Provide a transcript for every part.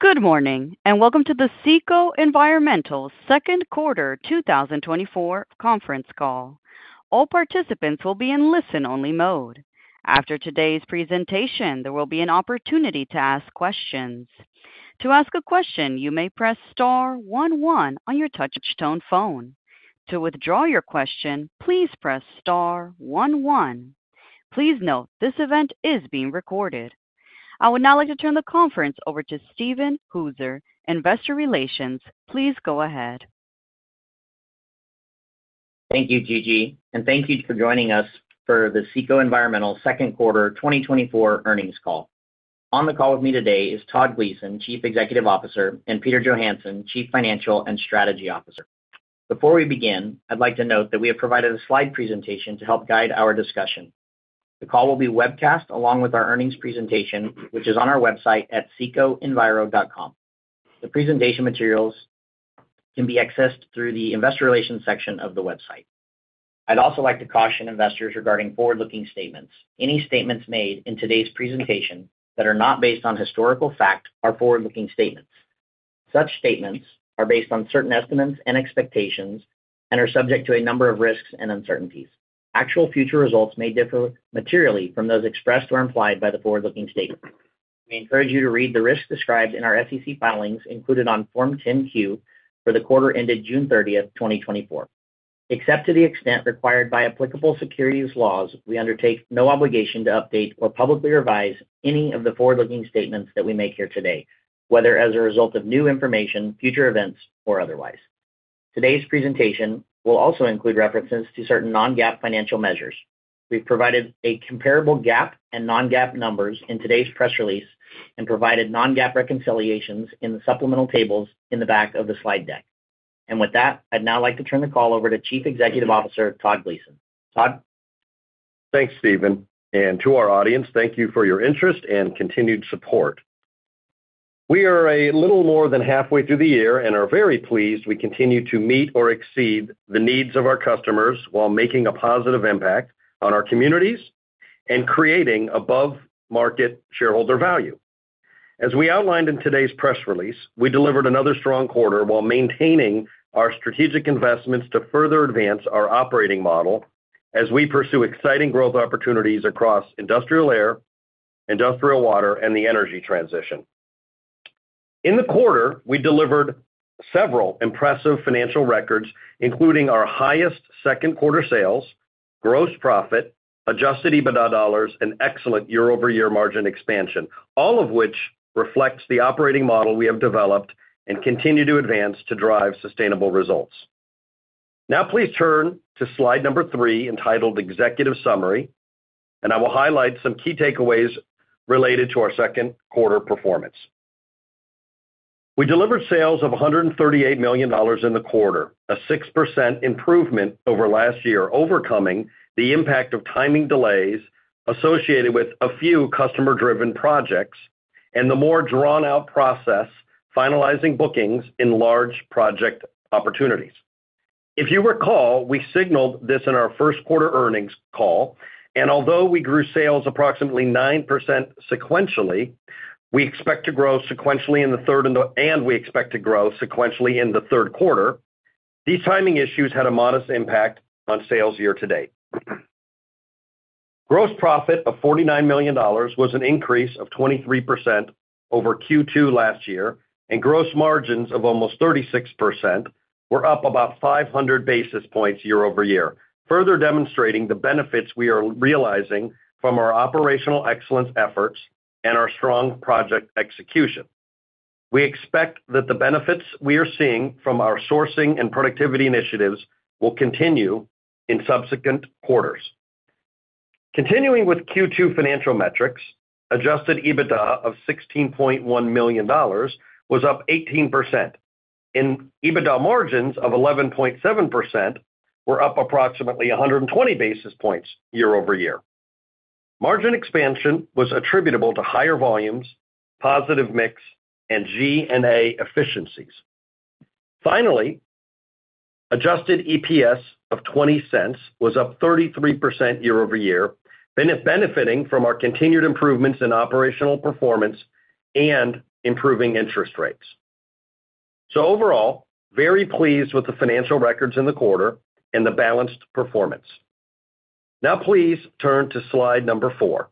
Good morning and welcome to the CECO Environmental Second Quarter 2024 conference call. All participants will be in listen-only mode. After today's presentation, there will be an opportunity to ask questions. To ask a question, you may press star one one on your touch-tone phone. To withdraw your question, please press star one one. Please note this event is being recorded. I would now like to turn the conference over to Steven Hooser, Investor Relations. Please go ahead. Thank you, Gigi, and thank you for joining us for the CECO Environmental Second Quarter 2024 earnings call. On the call with me today is Todd Gleason, Chief Executive Officer, and Peter Johansson, Chief Financial and Strategy Officer. Before we begin, I'd like to note that we have provided a slide presentation to help guide our discussion. The call will be webcast along with our earnings presentation, which is on our website at cecoenviro.com. The presentation materials can be accessed through the Investor Relations section of the website. I'd also like to caution investors regarding forward-looking statements. Any statements made in today's presentation that are not based on historical fact are forward-looking statements. Such statements are based on certain estimates and expectations and are subject to a number of risks and uncertainties. Actual future results may differ materially from those expressed or implied by the forward-looking statement. We encourage you to read the risks described in our SEC filings included on Form 10-Q for the quarter ended June 30, 2024. Except to the extent required by applicable securities laws, we undertake no obligation to update or publicly revise any of the forward-looking statements that we make here today, whether as a result of new information, future events, or otherwise. Today's presentation will also include references to certain non-GAAP financial measures. We've provided a comparable GAAP and non-GAAP numbers in today's press release and provided non-GAAP reconciliations in the supplemental tables in the back of the slide deck. With that, I'd now like to turn the call over to Chief Executive Officer Todd Gleason. Todd. Thanks, Steven. And to our audience, thank you for your interest and continued support. We are a little more than halfway through the year and are very pleased we continue to meet or exceed the needs of our customers while making a positive impact on our communities and creating above-market shareholder value. As we outlined in today's press release, we delivered another strong quarter while maintaining our strategic investments to further advance our operating model as we pursue exciting growth opportunities across Industrial Air, Industrial Water, and the Energy Transition. In the quarter, we delivered several impressive financial records, including our highest second-quarter sales, gross profit, Adjusted EBITDA dollars, and excellent year-over-year margin expansion, all of which reflects the operating model we have developed and continue to advance to drive sustainable results. Now, please turn to slide 3 entitled Executive Summary, and I will highlight some key takeaways related to our second-quarter performance. We delivered sales of $138 million in the quarter, a 6% improvement over last year, overcoming the impact of timing delays associated with a few customer-driven projects and the more drawn-out process finalizing bookings in large project opportunities. If you recall, we signaled this in our first quarter earnings call, and although we grew sales approximately 9% sequentially, we expect to grow sequentially in the third, and we expect to grow sequentially in the third quarter. These timing issues had a modest impact on sales year to date. Gross profit of $49 million was an increase of 23% over Q2 last year, and gross margins of almost 36% were up about 500 basis points year-over-year, further demonstrating the benefits we are realizing from our operational excellence efforts and our strong project execution. We expect that the benefits we are seeing from our sourcing and productivity initiatives will continue in subsequent quarters. Continuing with Q2 financial metrics, Adjusted EBITDA of $16.1 million was up 18%, and EBITDA margins of 11.7% were up approximately 120 basis points year-over-year. Margin expansion was attributable to higher volumes, positive mix, and G&A efficiencies. Finally, adjusted EPS of $0.20 was up 33% year-over-year, benefiting from our continued improvements in operational performance and improving interest rates. Overall, very pleased with the financial records in the quarter and the balanced performance. Now, please turn to slide number four.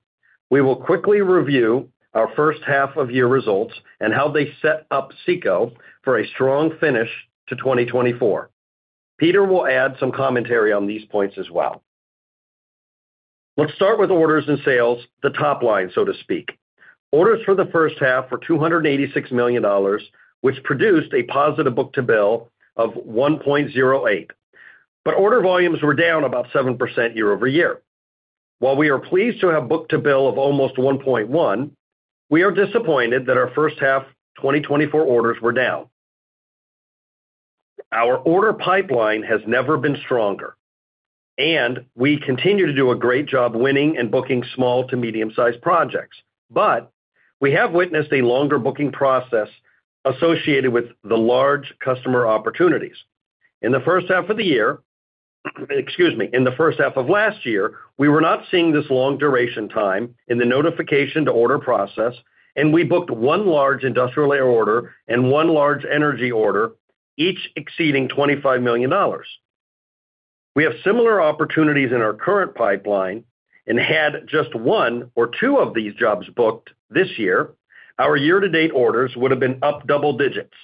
We will quickly review our first half of year results and how they set up CECO for a strong finish to 2024. Peter will add some commentary on these points as well. Let's start with orders and sales, the top line, so to speak. Orders for the first half were $286 million, which produced a positive book-to-bill of 1.08, but order volumes were down about 7% year-over-year. While we are pleased to have book-to-bill of almost 1.1, we are disappointed that our first half 2024 orders were down. Our order pipeline has never been stronger, and we continue to do a great job winning and booking small to medium-sized projects, but we have witnessed a longer booking process associated with the large customer opportunities. In the first half of the year, excuse me, in the first half of last year, we were not seeing this long duration time in the notification to order process, and we booked one large industrial air order and one large energy order, each exceeding $25 million. We have similar opportunities in our current pipeline and had just one or two of these jobs booked this year. Our year-to-date orders would have been up double digits.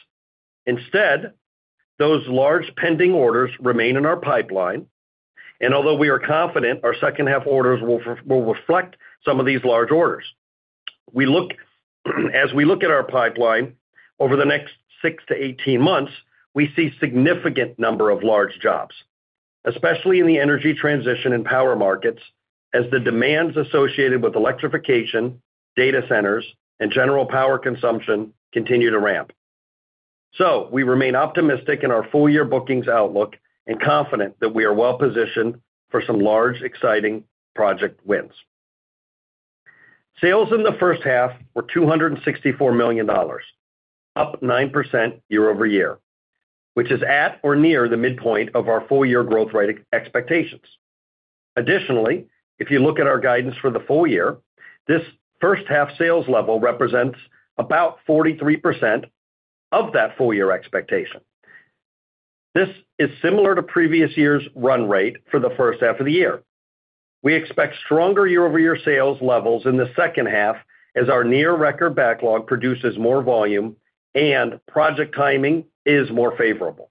Instead, those large pending orders remain in our pipeline, and although we are confident our second half orders will reflect some of these large orders, as we look at our pipeline over the next 6 to 18 months, we see a significant number of large jobs, especially in the energy transition and power markets, as the demands associated with electrification, data centers, and general power consumption continue to ramp. So we remain optimistic in our full-year bookings outlook and confident that we are well positioned for some large, exciting project wins. Sales in the first half were $264 million, up 9% year-over-year, which is at or near the midpoint of our full-year growth rate expectations. Additionally, if you look at our guidance for the full year, this first half sales level represents about 43% of that full-year expectation. This is similar to previous year's run rate for the first half of the year. We expect stronger year-over-year sales levels in the second half as our near-record backlog produces more volume and project timing is more favorable.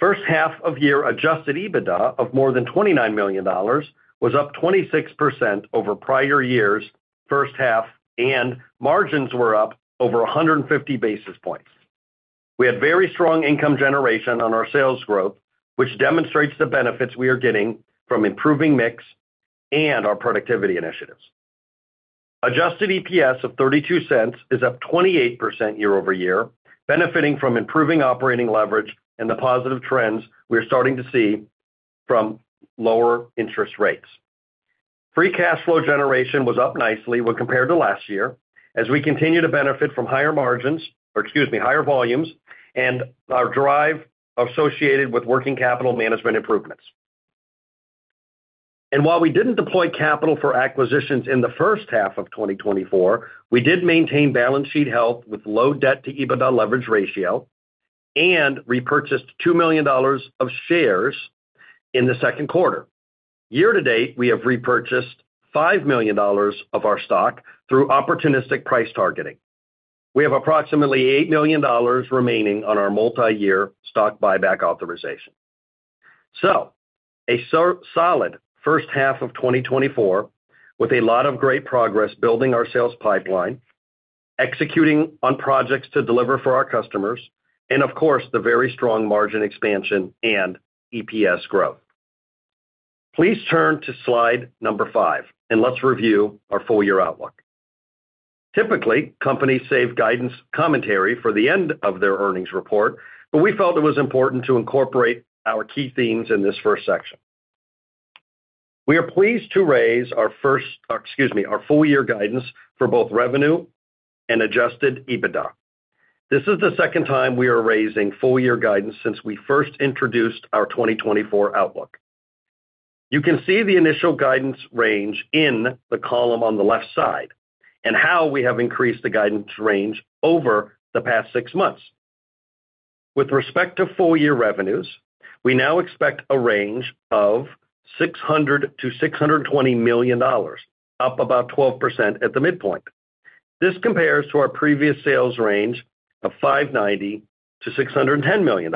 First half of year Adjusted EBITDA of more than $29 million was up 26% over prior year's first half, and margins were up over 150 basis points. We had very strong income generation on our sales growth, which demonstrates the benefits we are getting from improving mix and our productivity initiatives. Adjusted EPS of $0.32 is up 28% year-over-year, benefiting from improving operating leverage and the positive trends we are starting to see from lower interest rates. Free cash flow generation was up nicely when compared to last year as we continue to benefit from higher margins, or excuse me, higher volumes and our drive associated with working capital management improvements. While we didn't deploy capital for acquisitions in the first half of 2024, we did maintain balance sheet health with low debt-to-EBITDA leverage ratio and repurchased $2 million of shares in the second quarter. Year to date, we have repurchased $5 million of our stock through opportunistic price targeting. We have approximately $8 million remaining on our multi-year stock buyback authorization. So a solid first half of 2024 with a lot of great progress building our sales pipeline, executing on projects to deliver for our customers, and of course, the very strong margin expansion and EPS growth. Please turn to slide number 5, and let's review our full-year outlook. Typically, companies save guidance commentary for the end of their earnings report, but we felt it was important to incorporate our key themes in this first section. We are pleased to raise our first, or excuse me, our full-year guidance for both revenue and Adjusted EBITDA. This is the second time we are raising full-year guidance since we first introduced our 2024 outlook. You can see the initial guidance range in the column on the left side and how we have increased the guidance range over the past six months. With respect to full-year revenues, we now expect a range of $600-$620 million, up about 12% at the midpoint. This compares to our previous sales range of $590-$610 million.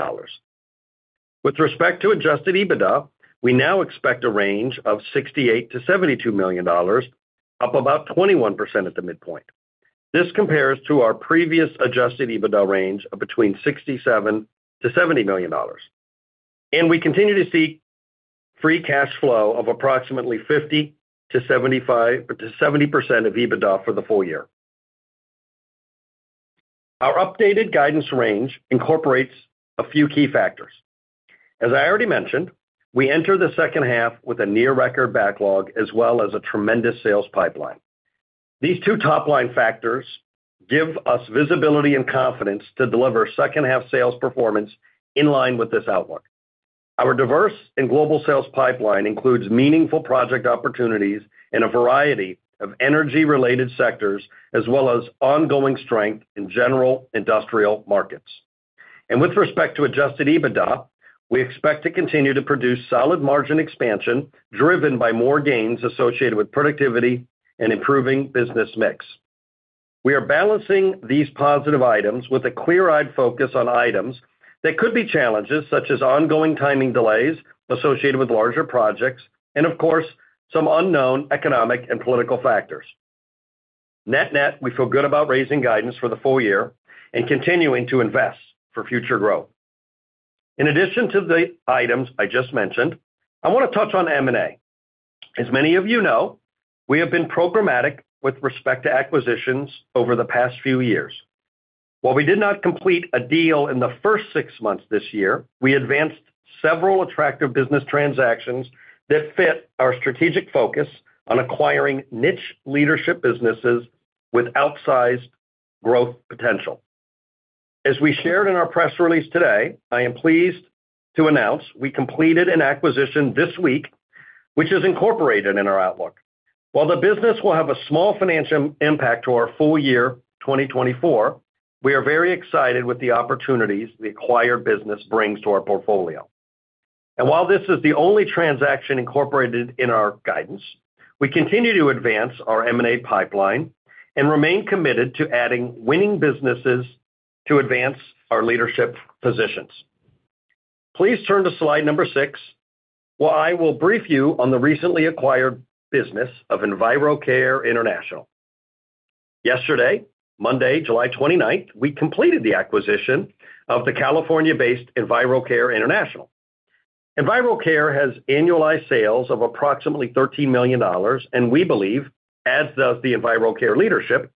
With respect to Adjusted EBITDA, we now expect a range of $68-$72 million, up about 21% at the midpoint. This compares to our previous Adjusted EBITDA range of between $67-$70 million. We continue to see free cash flow of approximately 50%-70% of EBITDA for the full year. Our updated guidance range incorporates a few key factors. As I already mentioned, we enter the second half with a near-record backlog as well as a tremendous sales pipeline. These two top line factors give us visibility and confidence to deliver second-half sales performance in line with this outlook. Our diverse and global sales pipeline includes meaningful project opportunities in a variety of energy-related sectors as well as ongoing strength in general industrial markets. With respect to Adjusted EBITDA, we expect to continue to produce solid margin expansion driven by more gains associated with productivity and improving business mix. We are balancing these positive items with a clear-eyed focus on items that could be challenges, such as ongoing timing delays associated with larger projects and, of course, some unknown economic and political factors. Net net, we feel good about raising guidance for the full year and continuing to invest for future growth. In addition to the items I just mentioned, I want to touch on M&A. As many of you know, we have been programmatic with respect to acquisitions over the past few years. While we did not complete a deal in the first 6 months this year, we advanced several attractive business transactions that fit our strategic focus on acquiring niche leadership businesses with outsized growth potential. As we shared in our press release today, I am pleased to announce we completed an acquisition this week, which is incorporated in our outlook. While the business will have a small financial impact to our full year 2024, we are very excited with the opportunities the acquired business brings to our portfolio. While this is the only transaction incorporated in our guidance, we continue to advance our M&A pipeline and remain committed to adding winning businesses to advance our leadership positions. Please turn to slide number 6, where I will brief you on the recently acquired business of EnviroCare International. Yesterday, Monday, July 29th, we completed the acquisition of the California-based EnviroCare International. EnviroCare has annualized sales of approximately $13 million, and we believe, as does the EnviroCare leadership,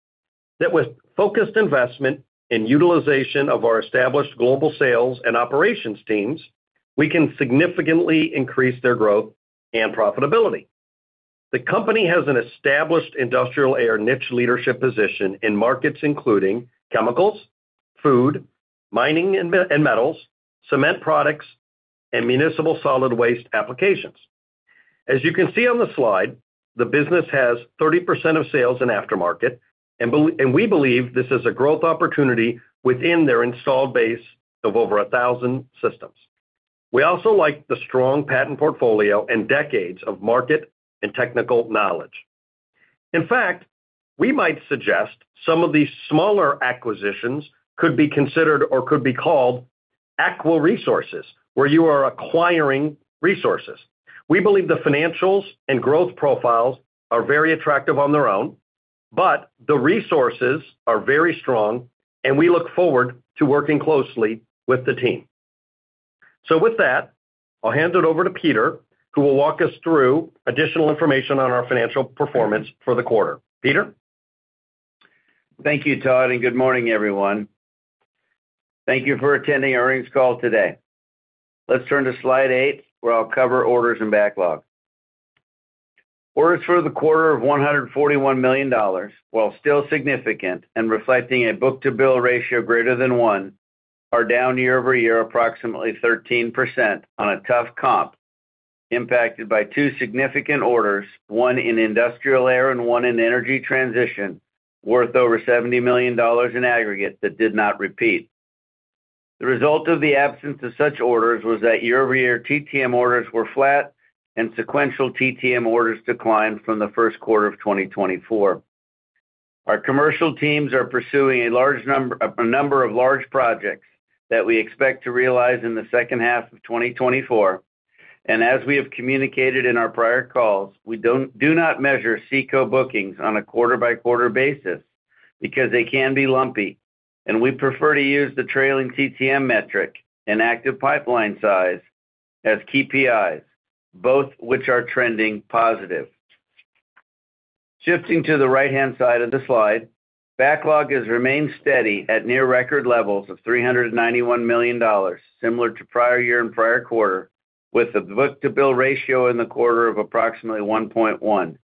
that with focused investment and utilization of our established global sales and operations teams, we can significantly increase their growth and profitability. The company has an established industrial air niche leadership position in markets including chemicals, food, mining and metals, cement products, and municipal solid waste applications. As you can see on the slide, the business has 30% of sales in aftermarket, and we believe this is a growth opportunity within their installed base of over 1,000 systems. We also like the strong patent portfolio and decades of market and technical knowledge. In fact, we might suggest some of these smaller acquisitions could be considered or could be called Acqui-Resources, where you are acquiring resources. We believe the financials and growth profiles are very attractive on their own, but the resources are very strong, and we look forward to working closely with the team. With that, I'll hand it over to Peter, who will walk us through additional information on our financial performance for the quarter. Peter. Thank you, Todd, and good morning, everyone. Thank you for attending our earnings call today. Let's turn to slide eight, where I'll cover orders and backlog. Orders for the quarter of $141 million, while still significant and reflecting a book-to-bill ratio greater than one, are down year-over-year approximately 13% on a tough comp, impacted by two significant orders, one in Industrial Air and one in Energy Transition, worth over $70 million in aggregate that did not repeat. The result of the absence of such orders was that year-over-year TTM orders were flat, and sequential TTM orders declined from the first quarter of 2024. Our commercial teams are pursuing a large number of large projects that we expect to realize in the second half of 2024. As we have communicated in our prior calls, we do not measure CECO bookings on a quarter-by-quarter basis because they can be lumpy, and we prefer to use the trailing TTM metric and active pipeline size as KPIs, both which are trending positive. Shifting to the right-hand side of the slide, backlog has remained steady at near-record levels of $391 million, similar to prior year and prior quarter, with a book-to-bill ratio in the quarter of approximately 1.1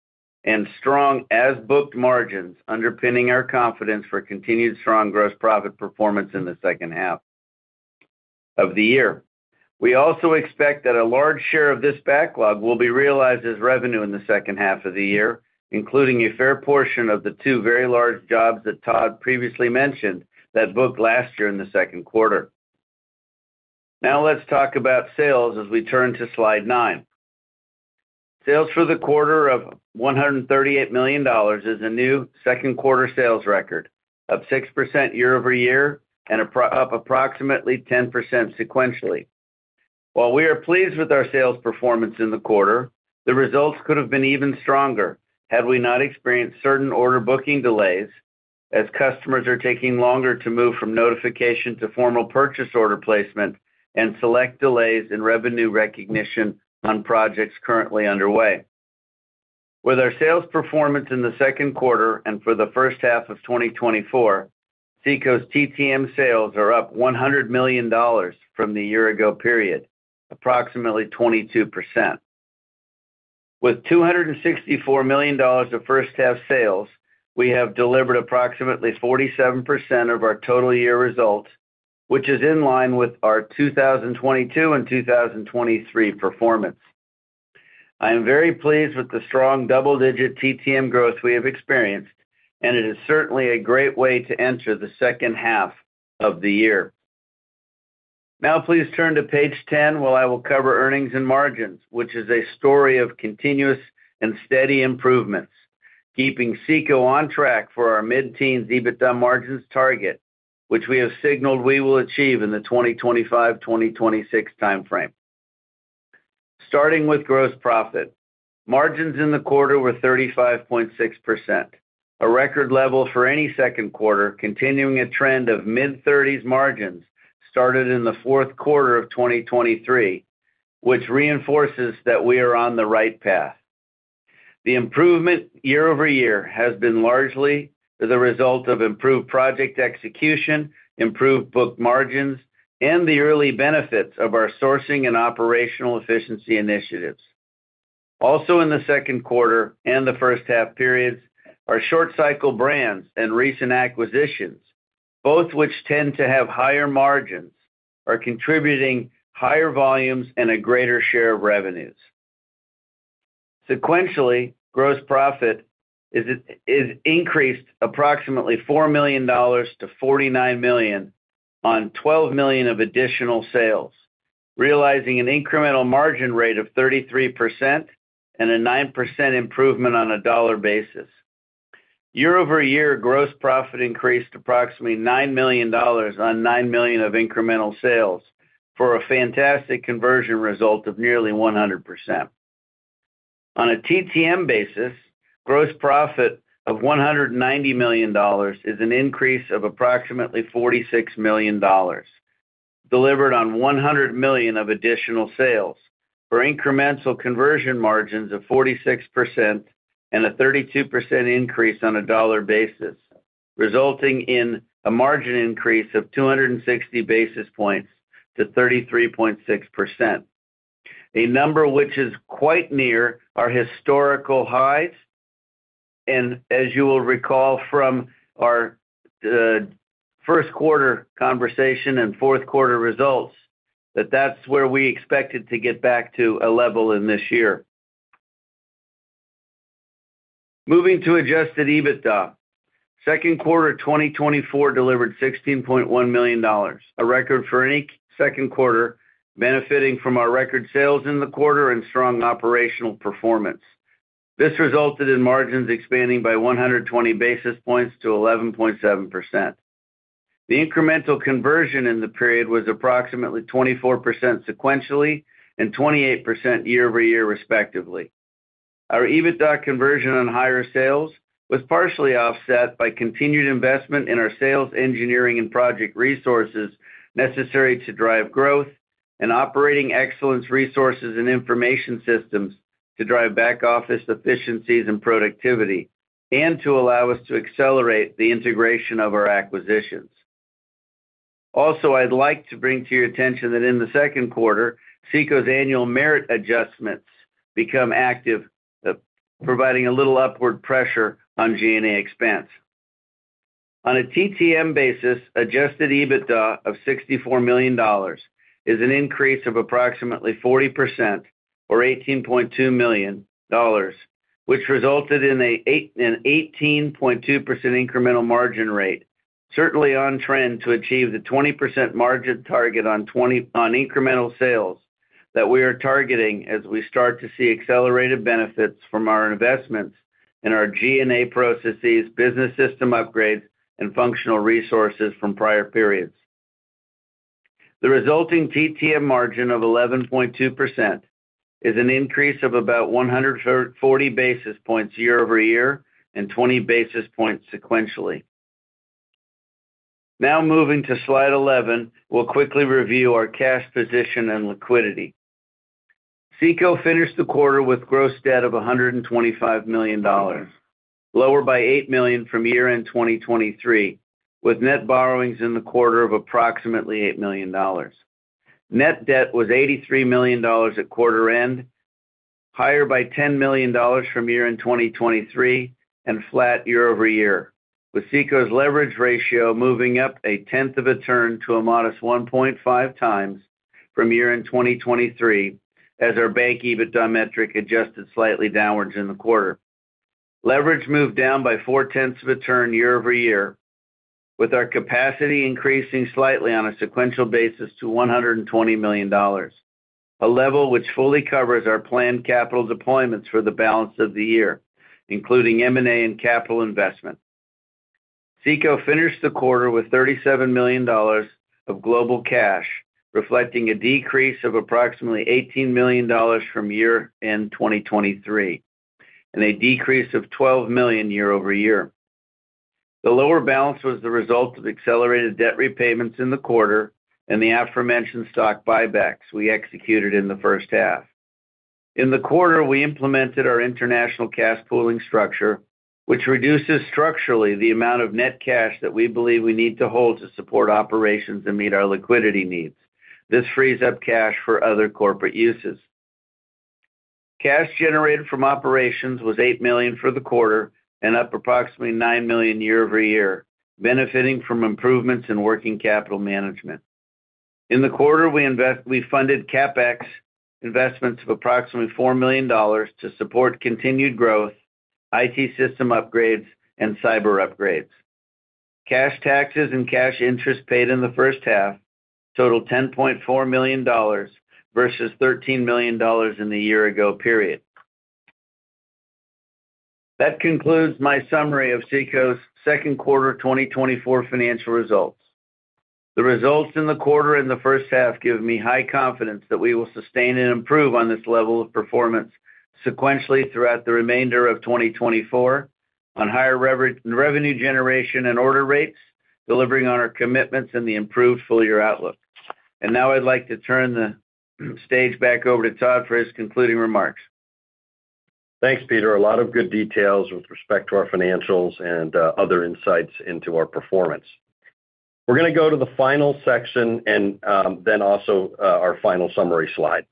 and strong as-booked margins underpinning our confidence for continued strong gross profit performance in the second half of the year. We also expect that a large share of this backlog will be realized as revenue in the second half of the year, including a fair portion of the two very large jobs that Todd previously mentioned that booked last year in the second quarter. Now let's talk about sales as we turn to slide nine. Sales for the quarter of $138 million is a new second-quarter sales record, up 6% year-over-year and up approximately 10% sequentially. While we are pleased with our sales performance in the quarter, the results could have been even stronger had we not experienced certain order booking delays as customers are taking longer to move from notification to formal purchase order placement and select delays in revenue recognition on projects currently underway. With our sales performance in the second quarter and for the first half of 2024, CECO's TTM sales are up $100 million from the year-ago period, approximately 22%. With $264 million of first-half sales, we have delivered approximately 47% of our total year results, which is in line with our 2022 and 2023 performance. I am very pleased with the strong double-digit TTM growth we have experienced, and it is certainly a great way to enter the second half of the year. Now please turn to page 10, where I will cover earnings and margins, which is a story of continuous and steady improvements, keeping CECO on track for our mid-teens EBITDA margins target, which we have signaled we will achieve in the 2025-2026 timeframe. Starting with gross profit, margins in the quarter were 35.6%, a record level for any second quarter, continuing a trend of mid-30s margins started in the fourth quarter of 2023, which reinforces that we are on the right path. The improvement year-over-year has been largely the result of improved project execution, improved book margins, and the early benefits of our sourcing and operational efficiency initiatives. Also in the second quarter and the first half periods, our short-cycle brands and recent acquisitions, both which tend to have higher margins, are contributing higher volumes and a greater share of revenues. Sequentially, gross profit is increased approximately $4 million to $49 million on $12 million of additional sales, realizing an incremental margin rate of 33% and a 9% improvement on a dollar basis. Year-over-year gross profit increased approximately $9 million on $9 million of incremental sales for a fantastic conversion result of nearly 100%. On a TTM basis, gross profit of $190 million is an increase of approximately $46 million delivered on $100 million of additional sales for incremental conversion margins of 46% and a 32% increase on a dollar basis, resulting in a margin increase of 260 basis points to 33.6%, a number which is quite near our historical highs. As you will recall from our first quarter conversation and fourth quarter results, that's where we expected to get back to a level in this year. Moving to Adjusted EBITDA, second quarter 2024 delivered $16.1 million, a record for any second quarter benefiting from our record sales in the quarter and strong operational performance. This resulted in margins expanding by 120 basis points to 11.7%. The incremental conversion in the period was approximately 24% sequentially and 28% year-over-year respectively. Our EBITDA conversion on higher sales was partially offset by continued investment in our sales engineering and project resources necessary to drive growth and operating excellence resources and information systems to drive back office efficiencies and productivity and to allow us to accelerate the integration of our acquisitions. Also, I'd like to bring to your attention that in the second quarter, CECO's annual merit adjustments became active, providing a little upward pressure on G&A expense. On a TTM basis, Adjusted EBITDA of $64 million is an increase of approximately 40% or $18.2 million, which resulted in an 18.2% incremental margin rate, certainly on trend to achieve the 20% margin target on incremental sales that we are targeting as we start to see accelerated benefits from our investments in our G&A processes, business system upgrades, and functional resources from prior periods. The resulting TTM margin of 11.2% is an increase of about 140 basis points year-over-year and 20 basis points sequentially. Now moving to slide 11, we'll quickly review our cash position and liquidity. CECO finished the quarter with gross debt of $125 million, lower by $8 million from year-end 2023, with net borrowings in the quarter of approximately $8 million. Net debt was $83 million at quarter-end, higher by $10 million from year-end 2023 and flat year-over-year, with CECO's leverage ratio moving up 0.1 of a turn to a modest 1.5x from year-end 2023, as our bank EBITDA metric adjusted slightly downwards in the quarter. Leverage moved down by 0.4 of a turn year-over-year, with our capacity increasing slightly on a sequential basis to $120 million, a level which fully covers our planned capital deployments for the balance of the year, including M&A and capital investment. CECO finished the quarter with $37 million of global cash, reflecting a decrease of approximately $18 million from year-end 2023 and a decrease of $12 million year-over-year. The lower balance was the result of accelerated debt repayments in the quarter and the aforementioned stock buybacks we executed in the first half. In the quarter, we implemented our international cash pooling structure, which reduces structurally the amount of net cash that we believe we need to hold to support operations and meet our liquidity needs. This frees up cash for other corporate uses. Cash generated from operations was $8 million for the quarter and up approximately $9 million year-over-year, benefiting from improvements in working capital management. In the quarter, we funded CapEx investments of approximately $4 million to support continued growth, IT system upgrades, and cyber upgrades. Cash taxes and cash interest paid in the first half totaled $10.4 million versus $13 million in the year-ago period. That concludes my summary of CECO's second quarter 2024 financial results. The results in the quarter and the first half give me high confidence that we will sustain and improve on this level of performance sequentially throughout the remainder of 2024 on higher revenue generation and order rates, delivering on our commitments and the improved full-year outlook. And now I'd like to turn the stage back over to Todd for his concluding remarks. Thanks, Peter. A lot of good details with respect to our financials and other insights into our performance. We're going to go to the final section and then also our final summary slide.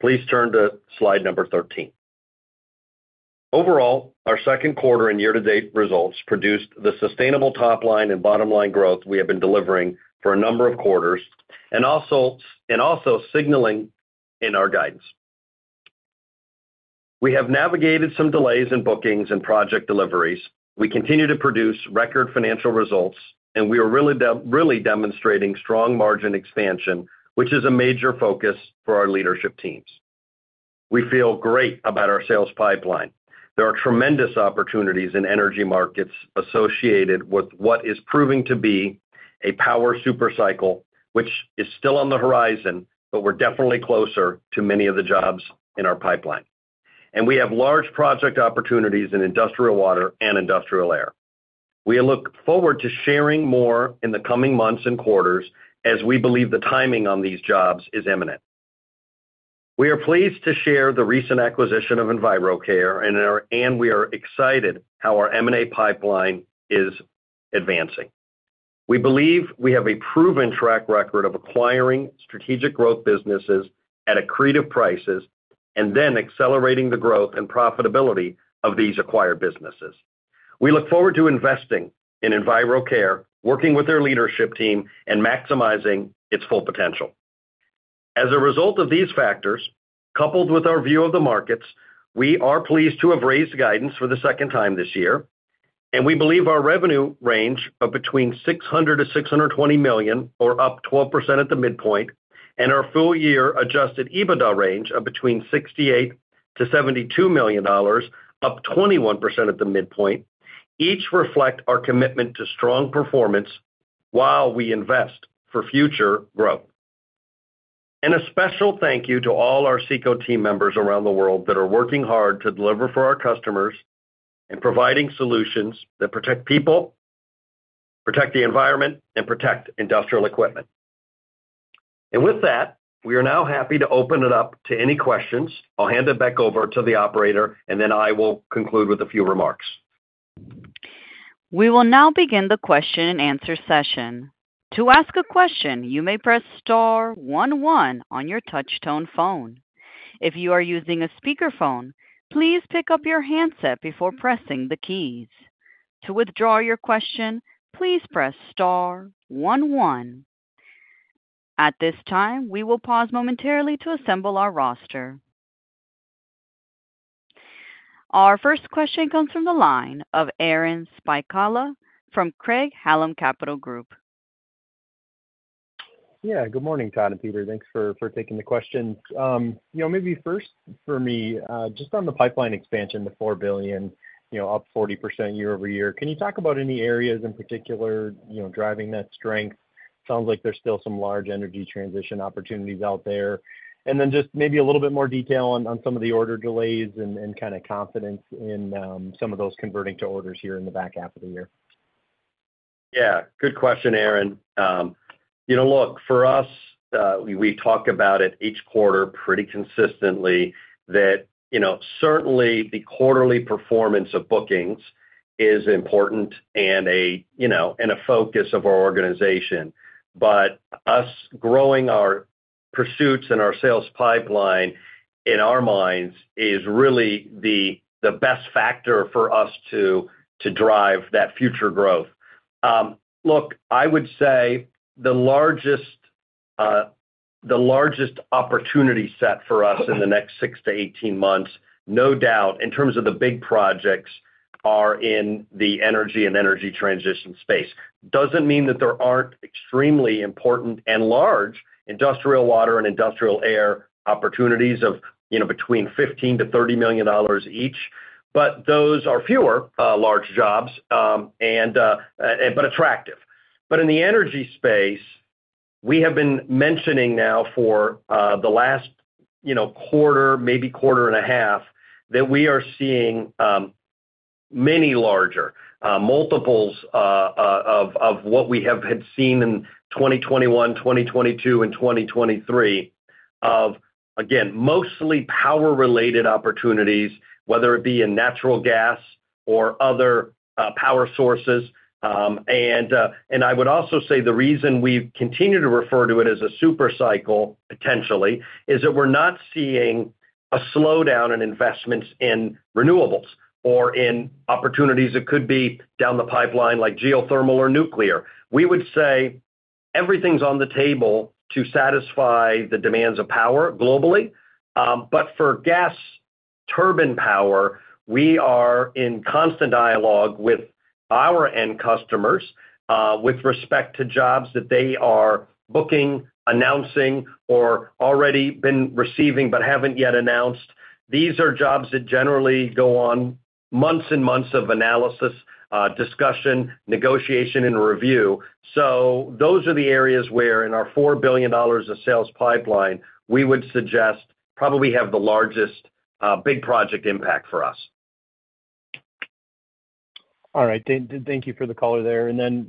Please turn to slide number 13. Overall, our second quarter and year-to-date results produced the sustainable top-line and bottom-line growth we have been delivering for a number of quarters and also signaling in our guidance. We have navigated some delays in bookings and project deliveries. We continue to produce record financial results, and we are really demonstrating strong margin expansion, which is a major focus for our leadership teams. We feel great about our sales pipeline. There are tremendous opportunities in energy markets associated with what is proving to be a power supercycle, which is still on the horizon, but we're definitely closer to many of the jobs in our pipeline. We have large project opportunities in Industrial Water and Industrial Air. We look forward to sharing more in the coming months and quarters as we believe the timing on these jobs is imminent. We are pleased to share the recent acquisition of EnviroCare, and we are excited how our M&A pipeline is advancing. We believe we have a proven track record of acquiring strategic growth businesses at accretive prices and then accelerating the growth and profitability of these acquired businesses. We look forward to investing in EnviroCare, working with their leadership team, and maximizing its full potential. As a result of these factors, coupled with our view of the markets, we are pleased to have raised guidance for the second time this year, and we believe our revenue range of $600-$620 million, or up 12% at the midpoint, and our full-year Adjusted EBITDA range of $68-$72 million, up 21% at the midpoint, each reflect our commitment to strong performance while we invest for future growth. A special thank you to all our CECO team members around the world that are working hard to deliver for our customers and providing solutions that protect people, protect the environment, and protect industrial equipment. With that, we are now happy to open it up to any questions. I'll hand it back over to the operator, and then I will conclude with a few remarks. We will now begin the question-and-answer session. To ask a question, you may press star one one on your touch-tone phone. If you are using a speakerphone, please pick up your handset before pressing the keys. To withdraw your question, please press star one one. At this time, we will pause momentarily to assemble our roster. Our first question comes from the line of Aaron Spychalla from Craig-Hallum Capital Group. Yeah, good morning, Todd and Peter. Thanks for taking the questions. Maybe first for me, just on the pipeline expansion to $4 billion, up 40% year-over-year, can you talk about any areas in particular driving that strength? Sounds like there's still some large energy transition opportunities out there. And then just maybe a little bit more detail on some of the order delays and kind of confidence in some of those converting to orders here in the back half of the year. Yeah, good question, Aaron. Look, for us, we talk about it each quarter pretty consistently that certainly the quarterly performance of bookings is important and a focus of our organization. But us growing our pursuits and our sales pipeline in our minds is really the best factor for us to drive that future growth. Look, I would say the largest opportunity set for us in the next 6-18 months, no doubt, in terms of the big projects, are in the energy and energy transition space. Doesn't mean that there aren't extremely important and large industrial water and industrial air opportunities of between $15-$30 million each, but those are fewer large jobs, but attractive. But in the energy space, we have been mentioning now for the last quarter, maybe quarter and a half, that we are seeing many larger multiples of what we have had seen in 2021, 2022, and 2023 of, again, mostly power-related opportunities, whether it be in natural gas or other power sources. And I would also say the reason we continue to refer to it as a supercycle potentially is that we're not seeing a slowdown in investments in renewables or in opportunities that could be down the pipeline like geothermal or nuclear. We would say everything's on the table to satisfy the demands of power globally. But for gas turbine power, we are in constant dialogue with our end customers with respect to jobs that they are booking, announcing, or already been receiving but haven't yet announced. These are jobs that generally go on months and months of analysis, discussion, negotiation, and review. So those are the areas where in our $4 billion of sales pipeline, we would suggest probably have the largest big project impact for us. All right. Thank you for the color there. And then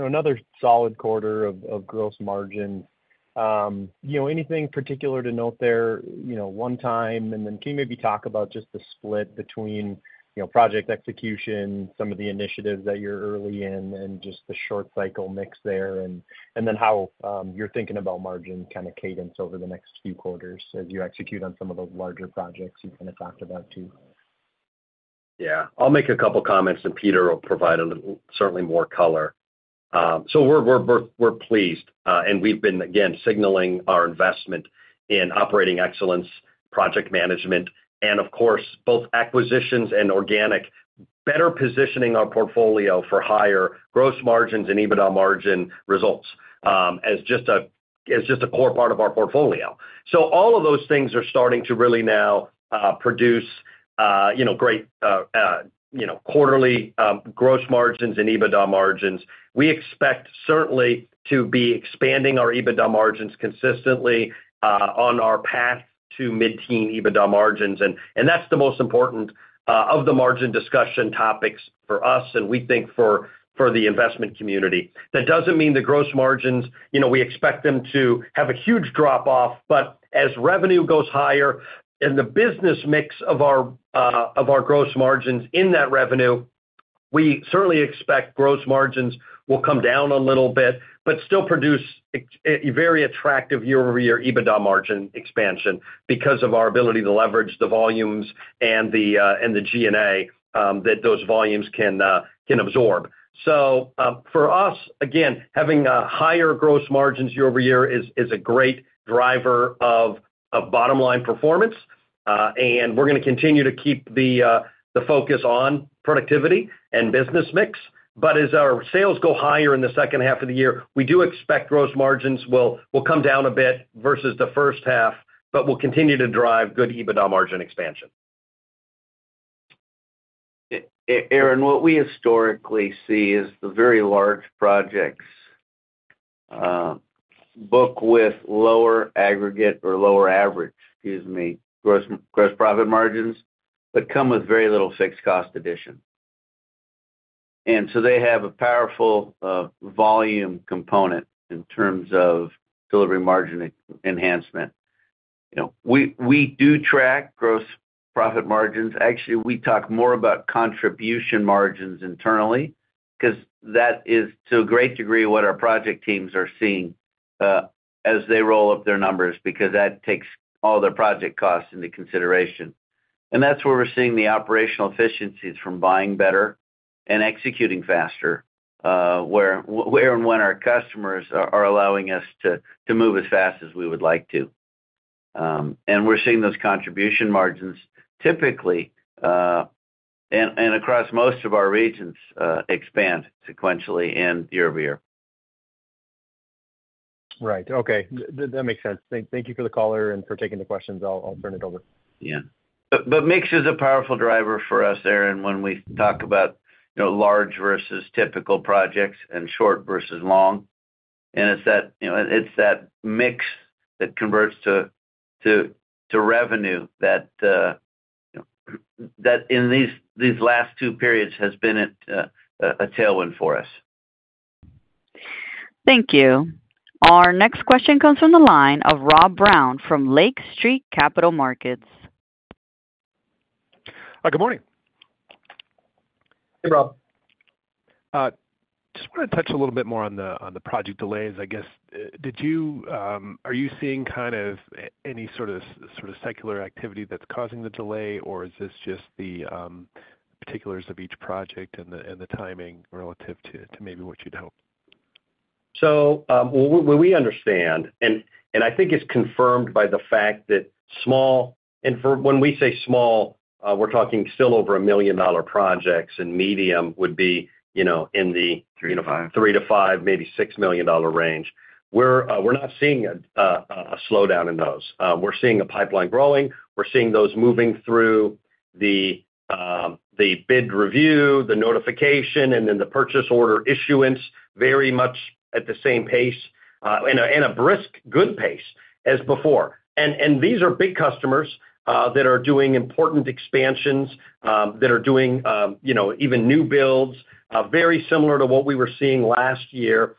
another solid quarter of gross margin. Anything particular to note there one time? And then can you maybe talk about just the split between project execution, some of the initiatives that you're early in, and just the short-cycle mix there, and then how you're thinking about margin kind of cadence over the next few quarters as you execute on some of those larger projects you kind of talked about too? Yeah. I'll make a couple of comments, and Peter will provide certainly more color. So we're pleased, and we've been, again, signaling our investment in operating excellence, project management, and, of course, both acquisitions and organic, better positioning our portfolio for higher gross margins and EBITDA margin results as just a core part of our portfolio. So all of those things are starting to really now produce great quarterly gross margins and EBITDA margins. We expect certainly to be expanding our EBITDA margins consistently on our path to mid-teen EBITDA margins. And that's the most important of the margin discussion topics for us and we think for the investment community. That doesn't mean the gross margins we expect them to have a huge drop-off, but as revenue goes higher and the business mix of our gross margins in that revenue, we certainly expect gross margins will come down a little bit, but still produce a very attractive year-over-year EBITDA margin expansion because of our ability to leverage the volumes and the G&A that those volumes can absorb. So for us, again, having higher gross margins year-over-year is a great driver of bottom-line performance. And we're going to continue to keep the focus on productivity and business mix. But as our sales go higher in the second half of the year, we do expect gross margins will come down a bit versus the first half, but we'll continue to drive good EBITDA margin expansion. Aaron, what we historically see is the very large projects book with lower aggregate or lower average, excuse me, gross profit margins, but come with very little fixed cost addition. And so they have a powerful volume component in terms of delivery margin enhancement. We do track gross profit margins. Actually, we talk more about contribution margins internally because that is to a great degree what our project teams are seeing as they roll up their numbers because that takes all their project costs into consideration. And that's where we're seeing the operational efficiencies from buying better and executing faster, where and when our customers are allowing us to move as fast as we would like to. And we're seeing those contribution margins typically and across most of our regions expand sequentially and year-over-year. Right. Okay. That makes sense. Thank you for the color and for taking the questions. I'll turn it over. Yeah. But mix is a powerful driver for us, Aaron, when we talk about large versus typical projects and short versus long. And it's that mix that converts to revenue that in these last two periods has been a tailwind for us. Thank you. Our next question comes from the line of Rob Brown from Lake Street Capital Markets. Good morning. Hey, Rob. Just want to touch a little bit more on the project delays. I guess, are you seeing kind of any sort of secular activity that's causing the delay, or is this just the particulars of each project and the timing relative to maybe what you'd hope? So what we understand, and I think it's confirmed by the fact that small, and when we say small, we're talking still over $1 million projects, and medium would be in the $3 million-$5 million, maybe $6 million range. We're not seeing a slowdown in those. We're seeing a pipeline growing. We're seeing those moving through the bid review, the notification, and then the purchase order issuance very much at the same pace and a brisk good pace as before. And these are big customers that are doing important expansions, that are doing even new builds, very similar to what we were seeing last year.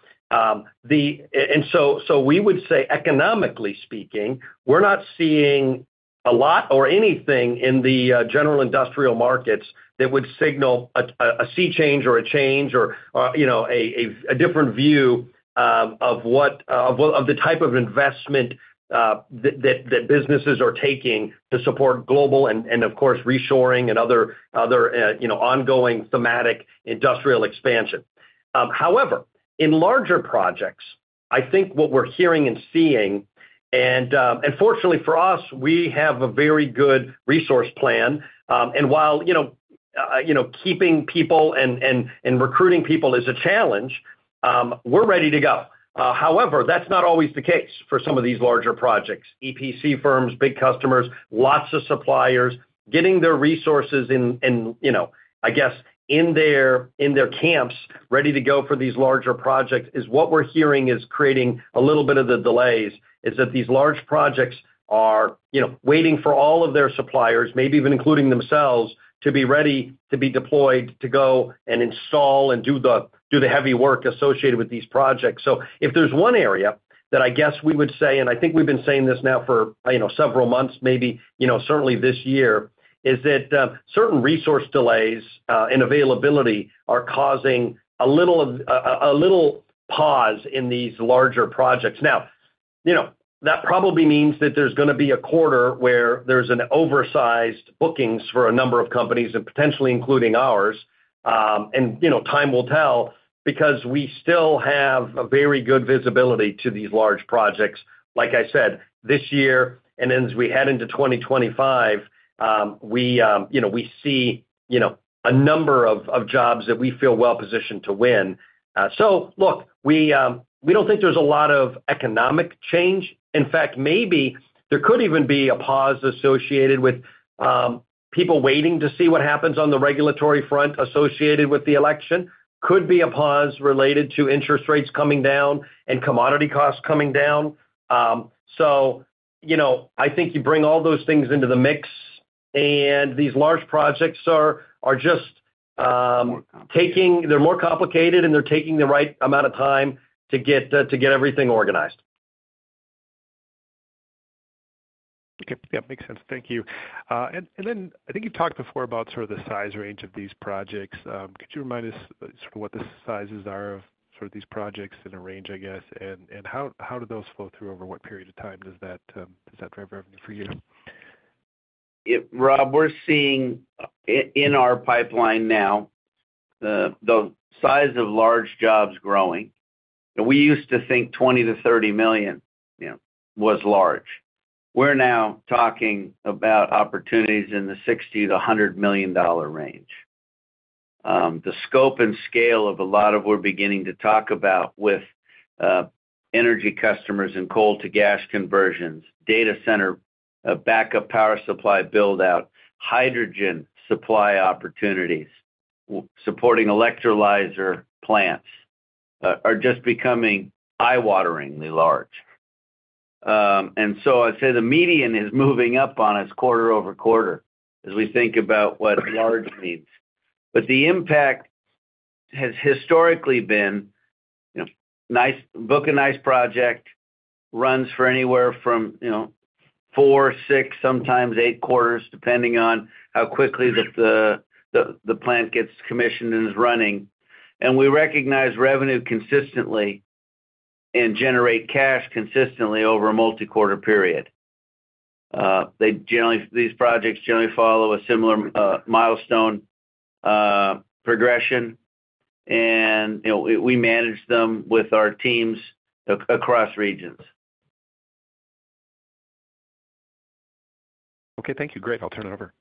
We would say, economically speaking, we're not seeing a lot or anything in the general industrial markets that would signal a sea change or a change or a different view of the type of investment that businesses are taking to support global and, of course, reshoring and other ongoing thematic industrial expansion. However, in larger projects, I think what we're hearing and seeing, and fortunately for us, we have a very good resource plan. While keeping people and recruiting people is a challenge, we're ready to go. However, that's not always the case for some of these larger projects. EPC firms, big customers, lots of suppliers, getting their resources and, I guess, in their camps ready to go for these larger projects is what we're hearing is creating a little bit of the delays, that these large projects are waiting for all of their suppliers, maybe even including themselves, to be ready to be deployed to go and install and do the heavy work associated with these projects. So if there's one area that I guess we would say, and I think we've been saying this now for several months, maybe certainly this year, is that certain resource delays and availability are causing a little pause in these larger projects. Now, that probably means that there's going to be a quarter where there's an oversized bookings for a number of companies and potentially including ours. And time will tell because we still have a very good visibility to these large projects. Like I said, this year and as we head into 2025, we see a number of jobs that we feel well-positioned to win. So look, we don't think there's a lot of economic change. In fact, maybe there could even be a pause associated with people waiting to see what happens on the regulatory front associated with the election. Could be a pause related to interest rates coming down and commodity costs coming down. So I think you bring all those things into the mix, and these large projects are just taking. They're more complicated, and they're taking the right amount of time to get everything organized. Okay. Yeah, makes sense. Thank you. And then I think you've talked before about sort of the size range of these projects. Could you remind us sort of what the sizes are of sort of these projects in a range, I guess, and how do those flow through over what period of time does that drive revenue for you? Yeah, Rob, we're seeing in our pipeline now the size of large jobs growing. We used to think $20 million-$30 million was large. We're now talking about opportunities in the $60 million-$100 million range. The scope and scale of a lot of what we're beginning to talk about with energy customers and coal-to-gas conversions, data center backup power supply build-out, hydrogen supply opportunities, supporting electrolyzer plants are just becoming eye-wateringly large. And so I'd say the median is moving up on us quarter-over-quarter as we think about what large means. But the impact has historically been book a nice project runs for anywhere from four, six, sometimes eight quarters, depending on how quickly the plant gets commissioned and is running. And we recognize revenue consistently and generate cash consistently over a multi-quarter period. These projects generally follow a similar milestone progression, and we manage them with our teams across regions. Okay. Thank you. Great. I'll turn it over.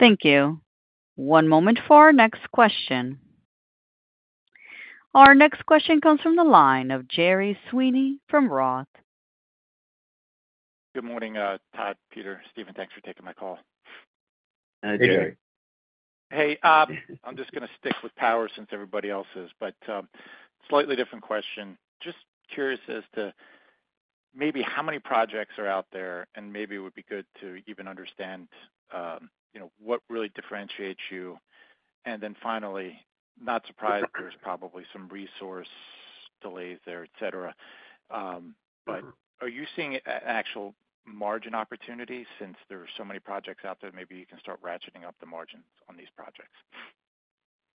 Thank you. One moment for our next question. Our next question comes from the line of Gerry Sweeney from Roth. Good morning, Todd, Peter, Steven, thanks for taking my call. Hey, Gerry. Hey. I'm just going to stick with power since everybody else's, but slightly different question. Just curious as to maybe how many projects are out there, and maybe it would be good to even understand what really differentiates you. And then finally, not surprised, there's probably some resource delays there, etc. But are you seeing an actual margin opportunity since there are so many projects out there? Maybe you can start ratcheting up the margins on these projects.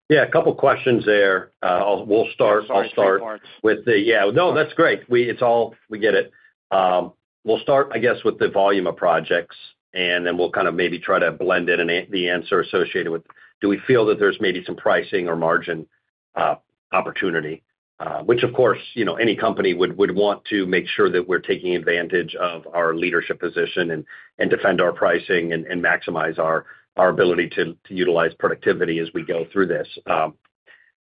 Yeah. A couple of questions there. We'll start with the. Sorry, Todd, parts. Yeah. No, that's great. We'll start, I guess, with the volume of projects, and then we'll kind of maybe try to blend in the answer associated with, do we feel, that there's maybe some pricing or margin opportunity, which, of course, any company would want to make sure that we're taking advantage of our leadership position and defend our pricing and maximize our ability to utilize productivity as we go through this.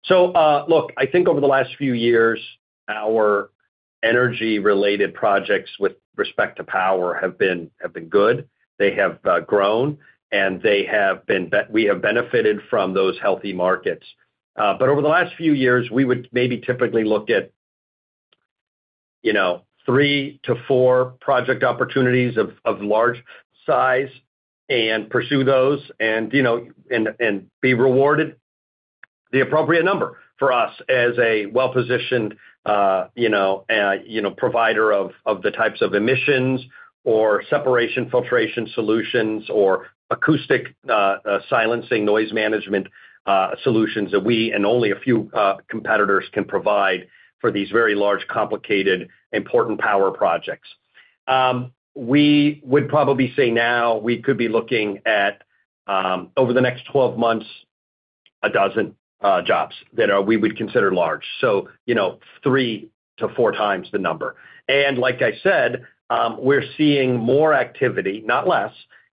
So look, I think over the last few years, our energy-related projects with respect to power have been good. They have grown, and we have benefited from those healthy markets. Over the last few years, we would maybe typically look at 3-4 project opportunities of large size and pursue those and be rewarded the appropriate number for us as a well-positioned provider of the types of emissions or separation filtration solutions or acoustic silencing noise management solutions that we and only a few competitors can provide for these very large, complicated, important power projects. We would probably say now we could be looking at, over the next 12 months, 12 jobs that we would consider large, so 3-4 times the number. Like I said, we're seeing more activity, not less,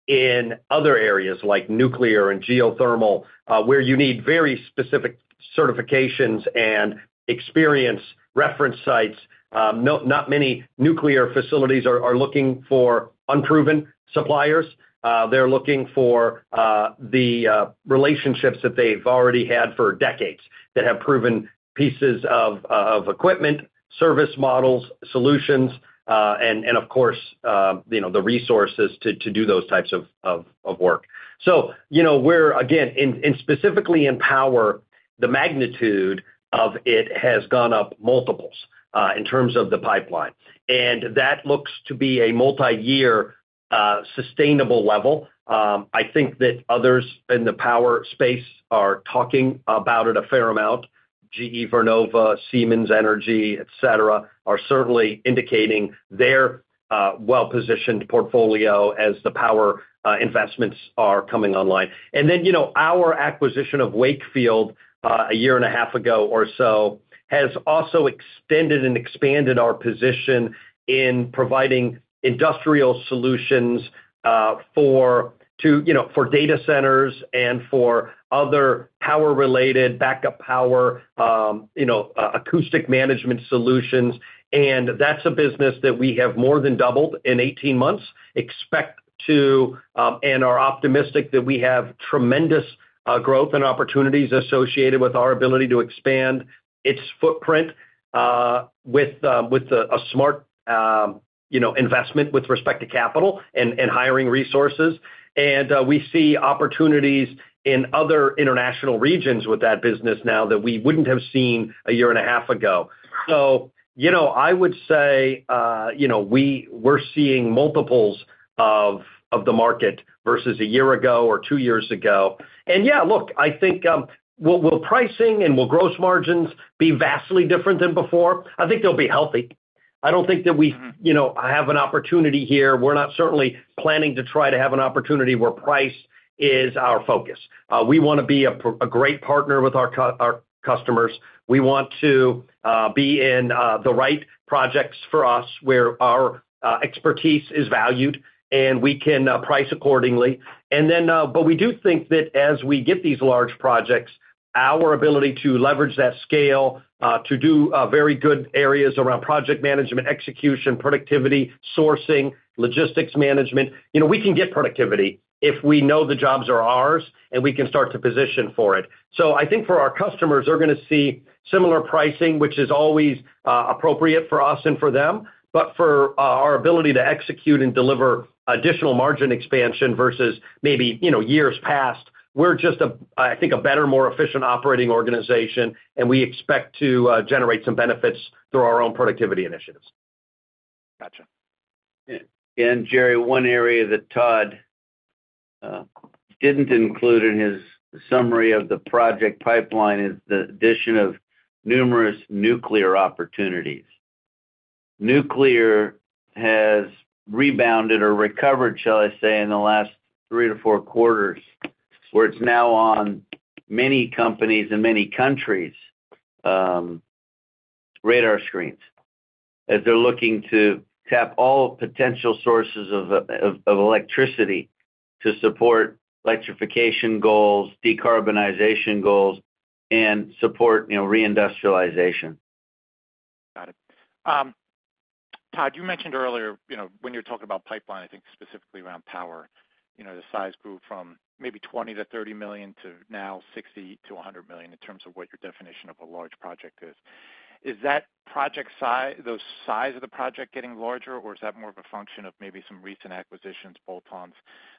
in other areas like nuclear and geothermal where you need very specific certifications and experience reference sites. Not many nuclear facilities are looking for unproven suppliers. They're looking for the relationships that they've already had for decades that have proven pieces of equipment, service models, solutions, and of course, the resources to do those types of work. So we're, again, and specifically in power, the magnitude of it has gone up multiples in terms of the pipeline. And that looks to be a multi-year sustainable level. I think that others in the power space are talking about it a fair amount. GE Vernova, Siemens Energy, etc., are certainly indicating their well-positioned portfolio as the power investments are coming online. And then our acquisition of Wakefield a year and a half ago or so has also extended and expanded our position in providing industrial solutions for data centers and for other power-related backup power, acoustic management solutions. That's a business that we have more than doubled in 18 months, expect to, and are optimistic that we have tremendous growth and opportunities associated with our ability to expand its footprint with a smart investment with respect to capital and hiring resources. We see opportunities in other international regions with that business now that we wouldn't have seen 1.5 years ago. I would say we're seeing multiples of the market versus 1 year ago or 2 years ago. Yeah, look, I think will pricing and will gross margins be vastly different than before? I think they'll be healthy. I don't think that we have an opportunity here. We're not certainly planning to try to have an opportunity where price is our focus. We want to be a great partner with our customers. We want to be in the right projects for us where our expertise is valued, and we can price accordingly. But we do think that as we get these large projects, our ability to leverage that scale to do very good areas around project management, execution, productivity, sourcing, logistics management, we can get productivity if we know the jobs are ours and we can start to position for it. So I think for our customers, they're going to see similar pricing, which is always appropriate for us and for them. But for our ability to execute and deliver additional margin expansion versus maybe years past, we're just, I think, a better, more efficient operating organization, and we expect to generate some benefits through our own productivity initiatives. Gotcha. And Jerry, one area that Todd didn't include in his summary of the project pipeline is the addition of numerous nuclear opportunities. Nuclear has rebounded or recovered, shall I say, in the last 3-4 quarters where it's now on many companies in many countries' radar screens as they're looking to tap all potential sources of electricity to support electrification goals, decarbonization goals, and support reindustrialization. Got it. Todd, you mentioned earlier when you're talking about pipeline, I think specifically around power, the size grew from maybe $20 million-$30 million to now $60 million-$100 million in terms of what your definition of a large project is. Is that project size, the size of the project getting larger, or is that more of a function of maybe some recent acquisitions, bolt-ons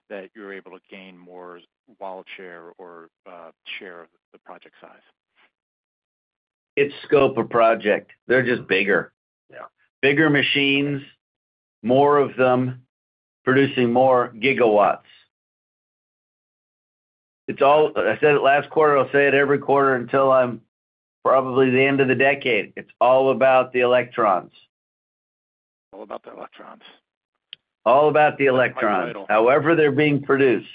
that you're able to gain more wallet share or share of the project size? It's scope of project. They're just bigger. Bigger machines, more of them, producing more gigawatts. I said it last quarter. I'll say it every quarter until probably the end of the decade. It's all about the electrons. All about the electrons. All about the electrons, however they're being produced.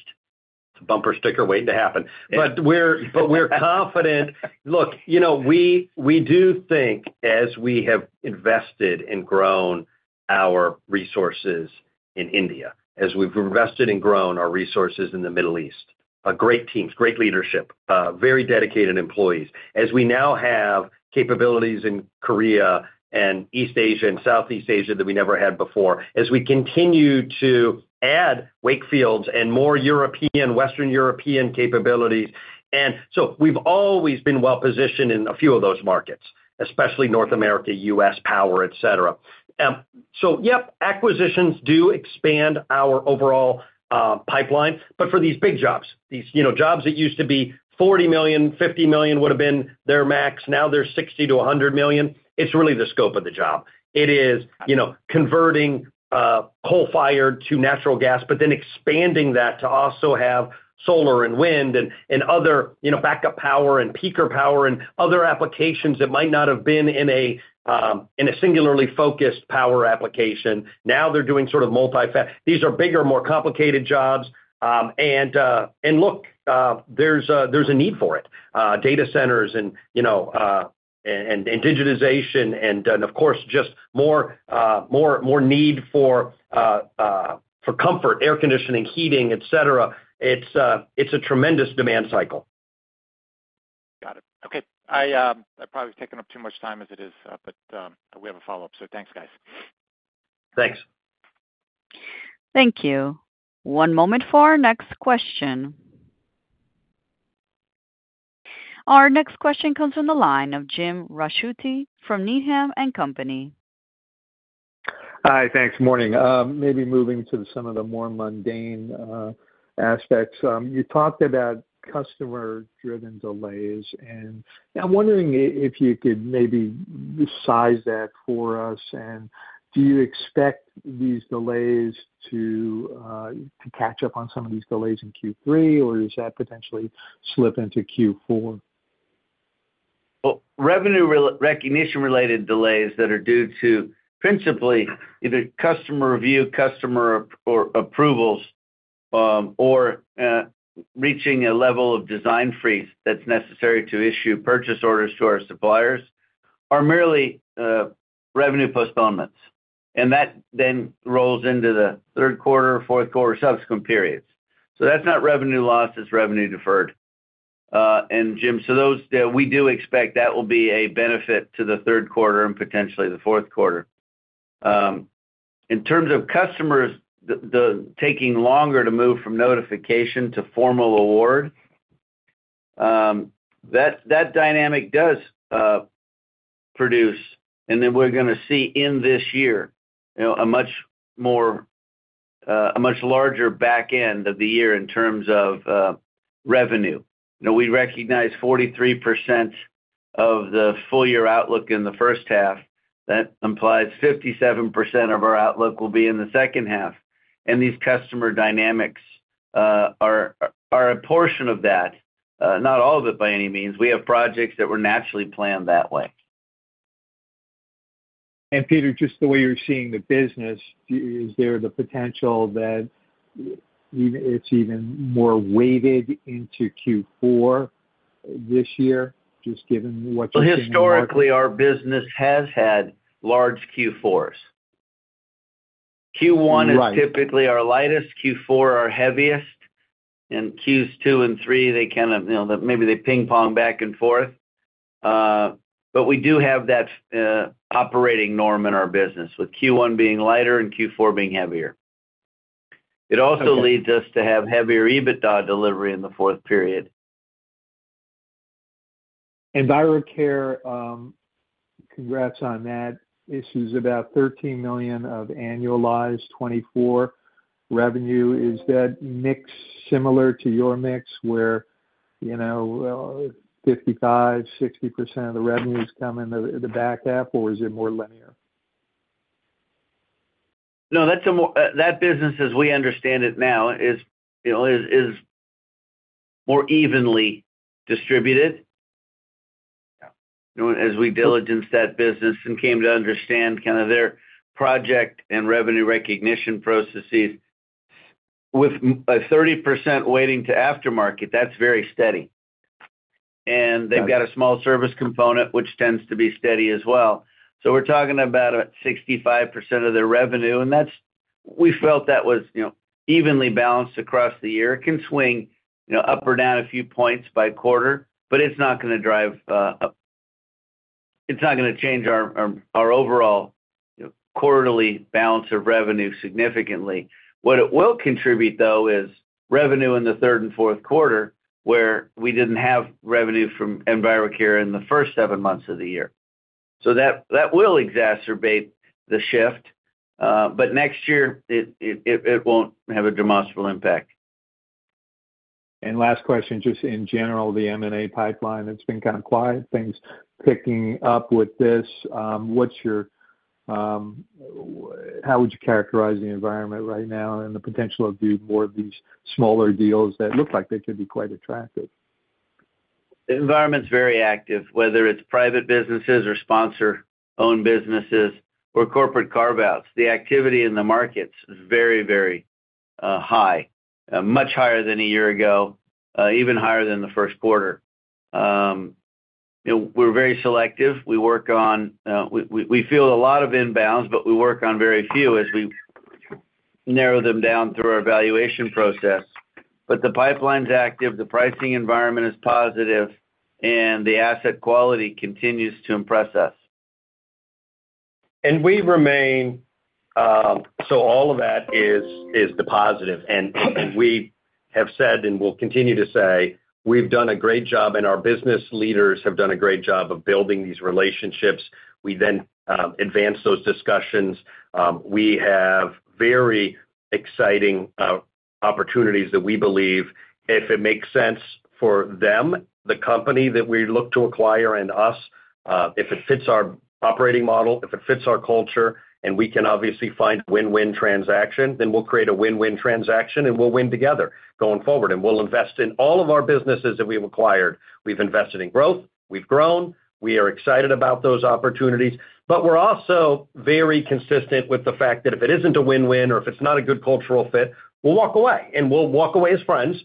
It's a bumper sticker waiting to happen. But we're confident. Look, we do think as we have invested and grown our resources in India, as we've invested and grown our resources in the Middle East, great teams, great leadership, very dedicated employees. As we now have capabilities in Korea and East Asia and Southeast Asia that we never had before, as we continue to add Wakefields and more Western European capabilities. And so we've always been well-positioned in a few of those markets, especially North America, U.S., power, etc. So yep, acquisitions do expand our overall pipeline. But for these big jobs, these jobs that used to be $40 million, $50 million would have been their max, now they're $60 million-$100 million. It's really the scope of the job. It is converting coal-fired to natural gas, but then expanding that to also have solar and wind and other backup power and peaker power and other applications that might not have been in a singularly focused power application. Now they're doing sort of multi-factor. These are bigger, more complicated jobs. And look, there's a need for it. Data centers and digitization and, of course, just more need for comfort, air conditioning, heating, etc. It's a tremendous demand cycle. Got it. Okay. I probably was taking up too much time as it is, but we have a follow-up. Thanks, guys. Thanks. Thank you. One moment for our next question. Our next question comes from the line of Jim Ricchiuti from Needham & Company. Hi, thanks. Morning. Maybe moving to some of the more mundane aspects. You talked about customer-driven delays, and I'm wondering if you could maybe size that for us. Do you expect these delays to catch up on some of these delays in Q3, or does that potentially slip into Q4? Well, revenue recognition-related delays that are due to principally either customer review, customer approvals, or reaching a level of design freeze that's necessary to issue purchase orders to our suppliers are merely revenue postponements. And that then rolls into the third quarter, fourth quarter, subsequent periods. So that's not revenue loss. It's revenue deferred. And Jim, so we do expect that will be a benefit to the third quarter and potentially the fourth quarter. In terms of customers taking longer to move from notification to formal award, that dynamic does produce. And then we're going to see in this year a much larger back end of the year in terms of revenue. We recognize 43% of the full-year outlook in the first half. That implies 57% of our outlook will be in the second half. These customer dynamics are a portion of that, not all of it by any means. We have projects that were naturally planned that way. Peter, just the way you're seeing the business, is there the potential that it's even more weighted into Q4 this year just given what you're seeing? Well, historically, our business has had large Q4s. Q1 is typically our lightest, Q4 our heaviest, and Q2 and Q3, they kind of maybe they ping-pong back and forth. But we do have that operating norm in our business with Q1 being lighter and Q4 being heavier. It also leads us to have heavier EBITDA delivery in the fourth period. EnviroCare, congrats on that. Adds about $13 million of annualized 2024 revenue. Is that mix similar to your mix where 55%-60% of the revenues come in the back half, or is it more linear? No, that business, as we understand it now, is more evenly distributed. As we diligenced that business and came to understand kind of their project and revenue recognition processes, with 30% weighted to aftermarket, that's very steady. And they've got a small service component, which tends to be steady as well. So we're talking about 65% of their revenue. And we felt that was evenly balanced across the year. It can swing up or down a few points by quarter, but it's not going to drive up. It's not going to change our overall quarterly balance of revenue significantly. What it will contribute, though, is revenue in the third and fourth quarter where we didn't have revenue from EnviroCare in the first seven months of the year. So that will exacerbate the shift. But next year, it won't have a demonstrable impact. Last question, just in general, the M&A pipeline, it's been kind of quiet. Things picking up with this. How would you characterize the environment right now and the potential of more of these smaller deals that look like they could be quite attractive? The environment's very active, whether it's private businesses or sponsor-owned businesses or corporate carve-outs. The activity in the markets is very, very high, much higher than a year ago, even higher than the first quarter. We're very selective. We feel a lot of inbounds, but we work on very few as we narrow them down through our valuation process. But the pipeline's active. The pricing environment is positive, and the asset quality continues to impress us. And we remain. So all of that is the positive. And we have said and will continue to say we've done a great job, and our business leaders have done a great job of building these relationships. We then advance those discussions. We have very exciting opportunities that we believe, if it makes sense for them, the company that we look to acquire and us, if it fits our operating model, if it fits our culture, and we can obviously find a win-win transaction, then we'll create a win-win transaction, and we'll win together going forward. And we'll invest in all of our businesses that we've acquired. We've invested in growth. We've grown. We are excited about those opportunities. But we're also very consistent with the fact that if it isn't a win-win or if it's not a good cultural fit, we'll walk away. And we'll walk away as friends.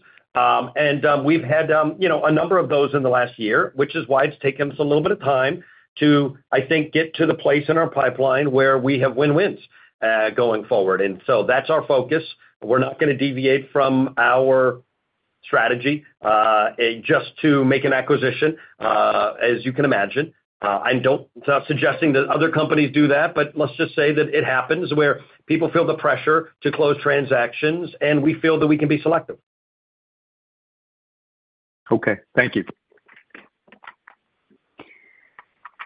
We've had a number of those in the last year, which is why it's taken us a little bit of time to, I think, get to the place in our pipeline where we have win-wins going forward. So that's our focus. We're not going to deviate from our strategy just to make an acquisition, as you can imagine. I'm not suggesting that other companies do that, but let's just say that it happens where people feel the pressure to close transactions, and we feel that we can be selective. Okay. Thank you.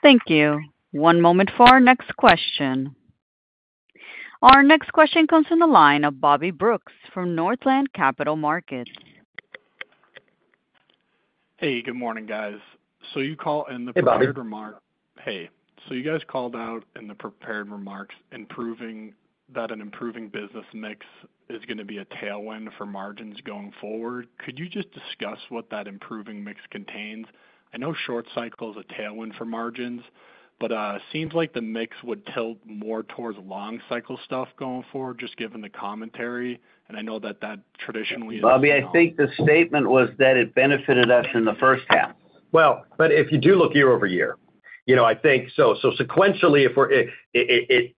Thank you. One moment for our next question. Our next question comes from the line of Bobby Brooks from Northland Capital Markets. Hey, good morning, guys. So you call in the prepared remarks. Hey, Bobby. Hey. So you guys called out in the prepared remarks that an improving business mix is going to be a tailwind for margins going forward. Could you just discuss what that improving mix contains? I know short cycle is a tailwind for margins, but it seems like the mix would tilt more towards long cycle stuff going forward, just given the commentary. And I know that that traditionally is. Bobby, I think the statement was that it benefited us in the first half. Well, but if you do look year-over-year, I think so sequentially.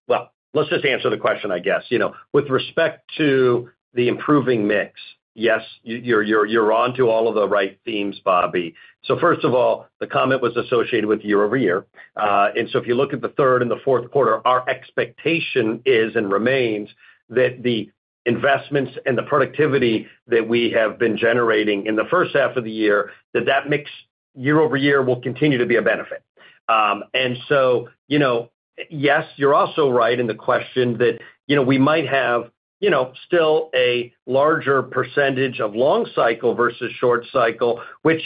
Well, let's just answer the question, I guess. With respect to the improving mix, yes, you're on to all of the right themes, Bobby. So first of all, the comment was associated with year-over-year. And so if you look at the third and the fourth quarter, our expectation is and remains that the investments and the productivity that we have been generating in the first half of the year, that that mix year-over-year will continue to be a benefit. And so yes, you're also right in the question that we might have still a larger percentage of long cycle versus short cycle, which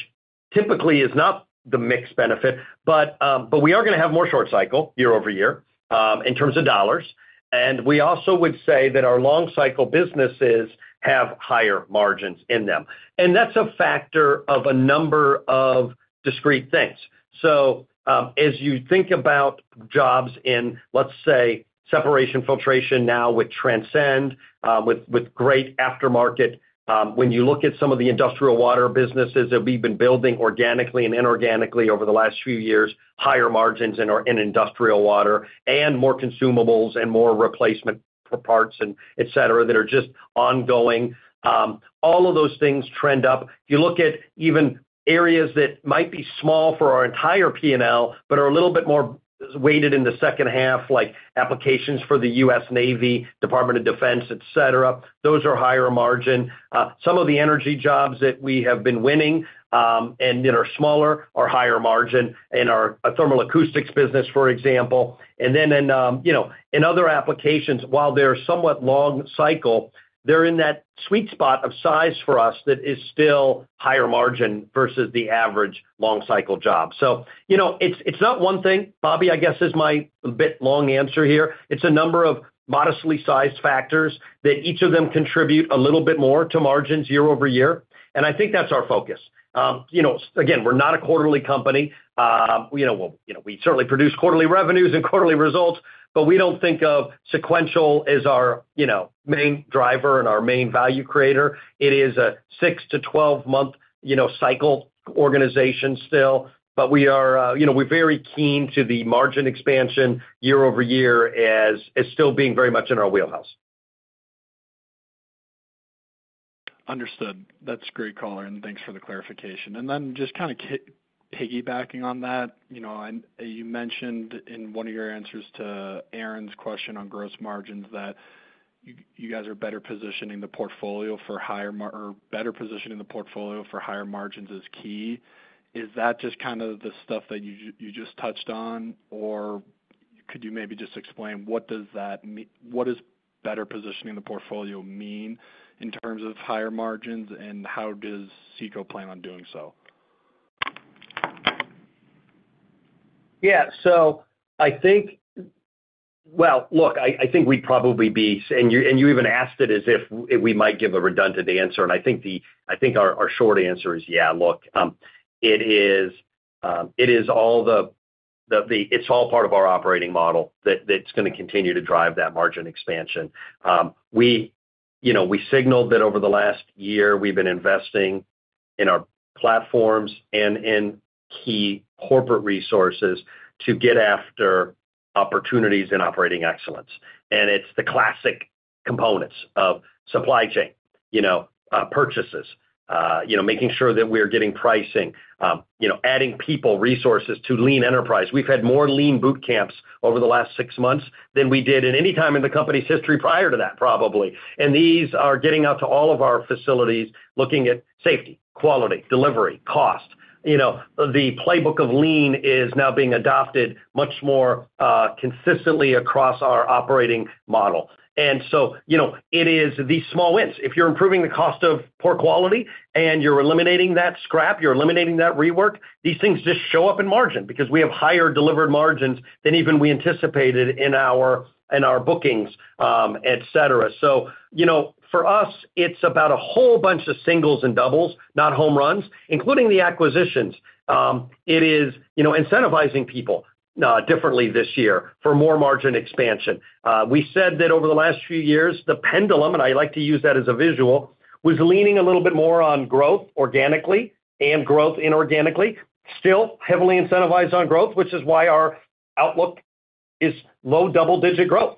typically is not the mix benefit. But we are going to have more short cycle year-over-year in terms of dollars. And we also would say that our long cycle businesses have higher margins in them. And that's a factor of a number of discrete things. So as you think about jobs in, let's say, Separation Filtration now with Transcend, with great aftermarket, when you look at some of the Industrial Water businesses that we've been building organically and inorganically over the last few years, higher margins in Industrial Water and more consumables and more replacement parts, etc., that are just ongoing. All of those things trend up. If you look at even areas that might be small for our entire P&L, but are a little bit more weighted in the second half, like applications for the U.S. Navy, Department of Defense, etc., those are higher margin. Some of the energy jobs that we have been winning and that are smaller are higher margin in our Thermal Acoustics business, for example. And then in other applications, while they're somewhat long cycle, they're in that sweet spot of size for us that is still higher margin versus the average long cycle job. So it's not one thing, Bobby, I guess, is my bit long answer here. It's a number of modestly sized factors that each of them contribute a little bit more to margins year-over-year. And I think that's our focus. Again, we're not a quarterly company. We certainly produce quarterly revenues and quarterly results, but we don't think of sequential as our main driver and our main value creator. It is a 6-12-month cycle organization still, but we are very keen to the margin expansion year-over-year as still being very much in our wheelhouse. Understood. That's great, Colin. Thanks for the clarification. And then just kind of piggybacking on that, you mentioned in one of your answers to Aaron's question on gross margins that you guys are better positioning the portfolio for higher or better positioning the portfolio for higher margins is key. Is that just kind of the stuff that you just touched on, or could you maybe just explain what does that mean? What does better positioning the portfolio mean in terms of higher margins, and how does CECO plan on doing so? Yeah. So I think, well, look, I think we'd probably be, and you even asked it as if we might give a redundant answer. And I think our short answer is, yeah, look, it is all the, it's all part of our operating model that's going to continue to drive that margin expansion. We signaled that over the last year, we've been investing in our platforms and in key corporate resources to get after opportunities and operating excellence. And it's the classic components of supply chain, purchases, making sure that we're getting pricing, adding people, resources to lean enterprise. We've had more lean boot camps over the last six months than we did in any time in the company's history prior to that, probably. And these are getting out to all of our facilities, looking at safety, quality, delivery, cost. The playbook of lean is now being adopted much more consistently across our operating model. And so it is these small wins. If you're improving the cost of poor quality and you're eliminating that scrap, you're eliminating that rework, these things just show up in margin because we have higher delivered margins than even we anticipated in our bookings, etc. So for us, it's about a whole bunch of singles and doubles, not home runs, including the acquisitions. It is incentivizing people differently this year for more margin expansion. We said that over the last few years, the pendulum (and I like to use that as a visual) was leaning a little bit more on growth organically and growth inorganically, still heavily incentivized on growth, which is why our outlook is low double-digit growth,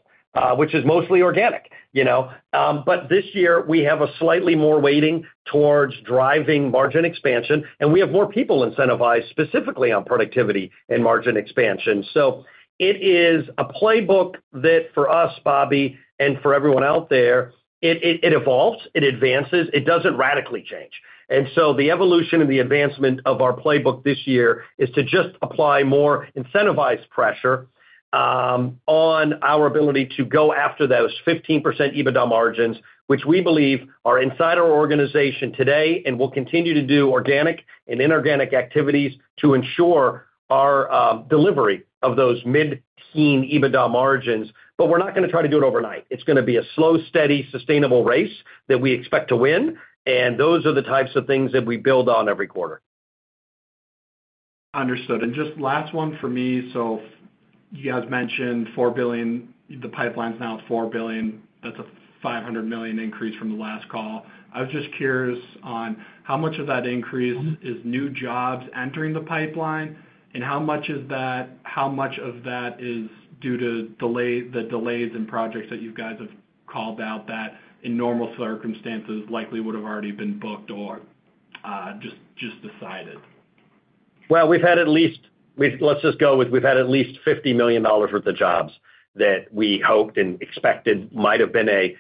which is mostly organic. But this year, we have a slightly more weighting towards driving margin expansion, and we have more people incentivized specifically on productivity and margin expansion. So it is a playbook that, for us, Bobby, and for everyone out there, it evolves, it advances, it doesn't radically change. And so the evolution and the advancement of our playbook this year is to just apply more incentivized pressure on our ability to go after those 15% EBITDA margins, which we believe are inside our organization today and will continue to do organic and inorganic activities to ensure our delivery of those mid-teens EBITDA margins. But we're not going to try to do it overnight. It's going to be a slow, steady, sustainable race that we expect to win. And those are the types of things that we build on every quarter. Understood. And just last one for me. So you guys mentioned $4 billion. The pipeline's now at $4 billion. That's a $500 million increase from the last call. I was just curious on how much of that increase is new jobs entering the pipeline, and how much of that is due to the delays in projects that you guys have called out that, in normal circumstances, likely would have already been booked or just decided? Well, we've had at least, let's just go with, we've had at least $50 million worth of jobs that we hoped and expected might have been a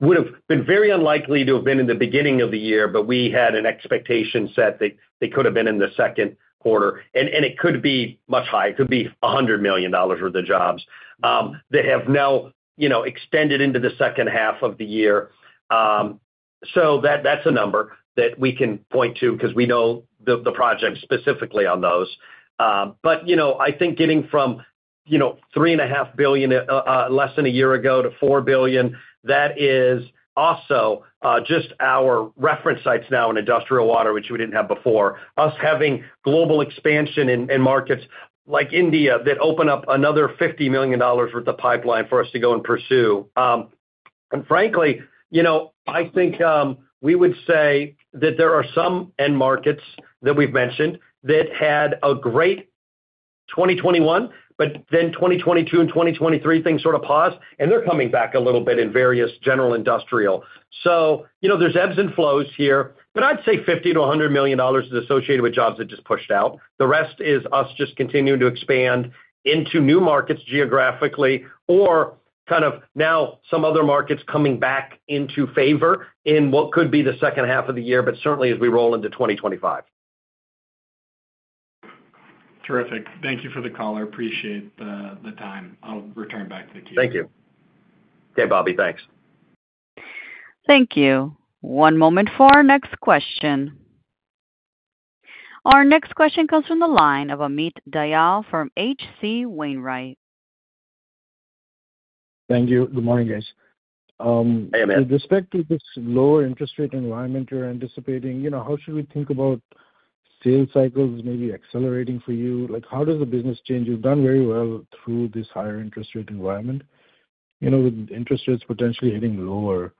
would have been very unlikely to have been in the beginning of the year, but we had an expectation set that they could have been in the second quarter. And it could be much higher. It could be $100 million worth of jobs that have now extended into the second half of the year. So that's a number that we can point to because we know the projects specifically on those. But I think getting from $3.5 billion less than a year ago to $4 billion, that is also just our reference sites now in industrial water, which we didn't have before, us having global expansion in markets like India that open up another $50 million worth of pipeline for us to go and pursue. And frankly, I think we would say that there are some end markets that we've mentioned that had a great 2021, but then 2022 and 2023, things sort of paused, and they're coming back a little bit in various general industrial. So there's ebbs and flows here, but I'd say $50 million-$100 million is associated with jobs that just pushed out. The rest is us just continuing to expand into new markets geographically or kind of now some other markets coming back into favor in what could be the second half of the year, but certainly as we roll into 2025. Terrific. Thank you for the call. I appreciate the time. I'll return back to the Q&A. Thank you. Okay, Bobby, thanks. Thank you. One moment for our next question. Our next question comes from the line of Amit Dayal from H.C. Wainwright. Thank you. Good morning, guys. Hey, Amit. With respect to this lower interest rate environment you're anticipating, how should we think about sales cycles maybe accelerating for you? How does the business change? You've done very well through this higher interest rate environment. With interest rates potentially hitting lower,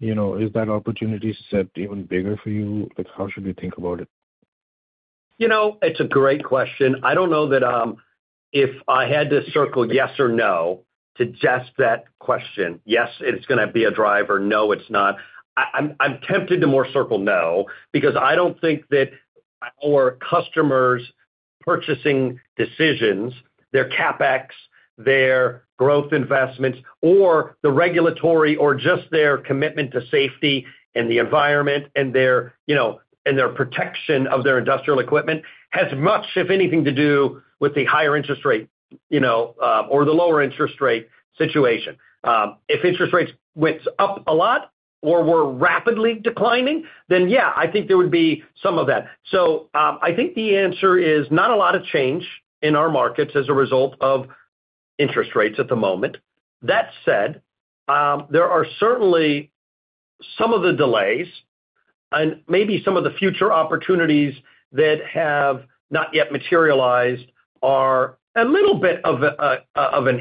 is that opportunity set even bigger for you? How should we think about it? It's a great question. I don't know that if I had to circle yes or no to just that question, yes, it's going to be a driver. No, it's not. I'm tempted to more circle no because I don't think that our customers' purchasing decisions, their CapEx, their growth investments, or the regulatory or just their commitment to safety and the environment and their protection of their industrial equipment has much, if anything, to do with the higher interest rate or the lower interest rate situation. If interest rates went up a lot or were rapidly declining, then yeah, I think there would be some of that. So I think the answer is not a lot of change in our markets as a result of interest rates at the moment. That said, there are certainly some of the delays and maybe some of the future opportunities that have not yet materialized are a little bit of an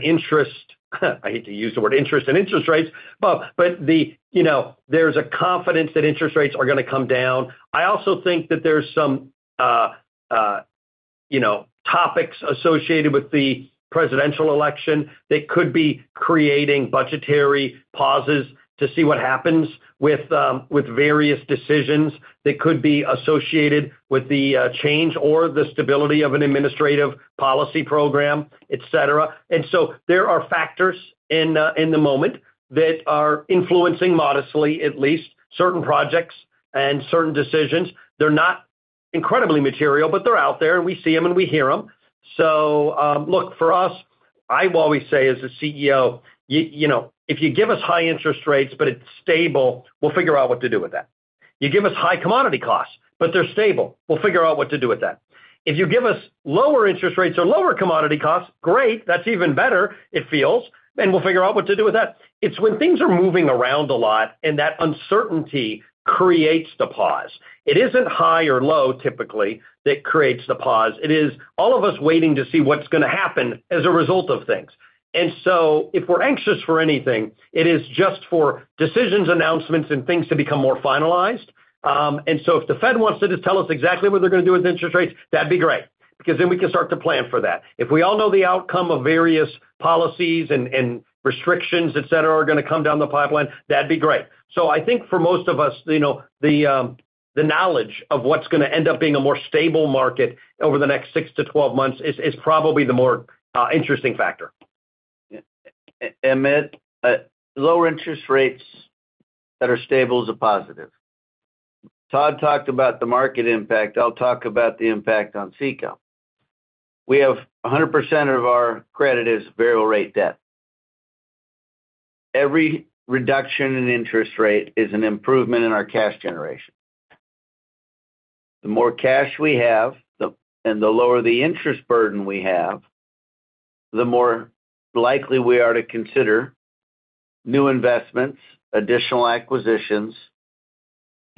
interest—I hate to use the word interest—and interest rates. But there's a confidence that interest rates are going to come down. I also think that there's some topics associated with the presidential election that could be creating budgetary pauses to see what happens with various decisions that could be associated with the change or the stability of an administrative policy program, etc. And so there are factors in the moment that are influencing modestly, at least, certain projects and certain decisions. They're not incredibly material, but they're out there, and we see them and we hear them. So look, for us, I always say as a CEO, if you give us high interest rates but it's stable, we'll figure out what to do with that. You give us high commodity costs, but they're stable, we'll figure out what to do with that. If you give us lower interest rates or lower commodity costs, great, that's even better, it feels, and we'll figure out what to do with that. It's when things are moving around a lot and that uncertainty creates the pause. It isn't high or low typically that creates the pause. It is all of us waiting to see what's going to happen as a result of things. And so if we're anxious for anything, it is just for decisions, announcements, and things to become more finalized. If the Fed wants to just tell us exactly what they're going to do with interest rates, that'd be great because then we can start to plan for that. If we all know the outcome of various policies and restrictions, etc., are going to come down the pipeline, that'd be great. I think for most of us, the knowledge of what's going to end up being a more stable market over the next six to 12 months is probably the more interesting factor. Amit, lower interest rates that are stable is a positive. Todd talked about the market impact. I'll talk about the impact on CECO. We have 100% of our credit is variable rate debt. Every reduction in interest rate is an improvement in our cash generation. The more cash we have and the lower the interest burden we have, the more likely we are to consider new investments, additional acquisitions,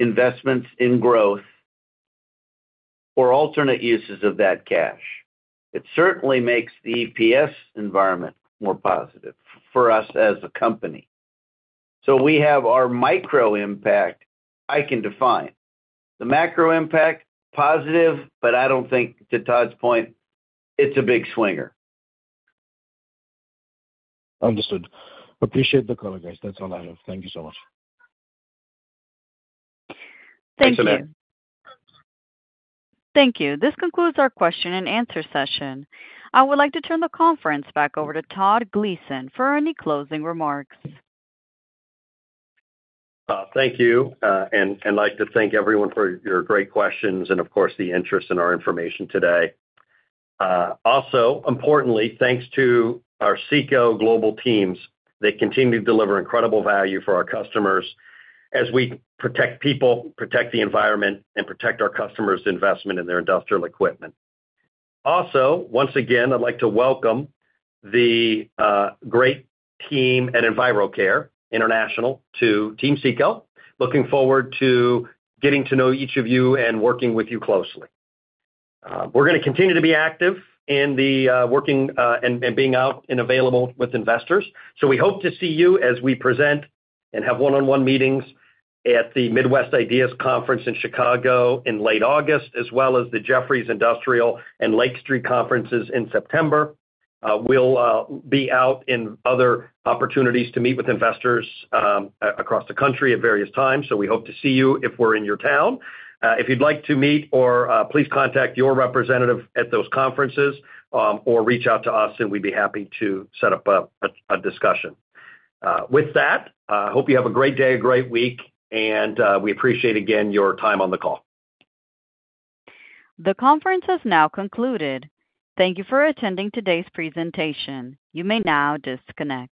investments in growth, or alternate uses of that cash. It certainly makes the EPS environment more positive for us as a company. So we have our micro impact I can define. The macro impact, positive, but I don't think, to Todd's point, it's a big swinger. Understood. Appreciate the call, guys. That's all I have. Thank you so much. Thank you. Thanks, Amit. Thank you. This concludes our question and answer session. I would like to turn the conference back over to Todd Gleason for any closing remarks. Thank you. I'd like to thank everyone for your great questions and, of course, the interest in our information today. Also, importantly, thanks to our CECO global teams. They continue to deliver incredible value for our customers as we protect people, protect the environment, and protect our customers' investment in their industrial equipment. Also, once again, I'd like to welcome the great team at EnviroCare International to Team CECO. Looking forward to getting to know each of you and working with you closely. We're going to continue to be active in the working and being out and available with investors. We hope to see you as we present and have one-on-one meetings at the Midwest IDEAS Conference in Chicago in late August, as well as the Jefferies Industrial and Lake Street Conferences in September. We'll be out in other opportunities to meet with investors across the country at various times. So we hope to see you if we're in your town. If you'd like to meet, please contact your representative at those conferences or reach out to us, and we'd be happy to set up a discussion. With that, I hope you have a great day, a great week, and we appreciate, again, your time on the call. The conference has now concluded. Thank you for attending today's presentation. You may now disconnect.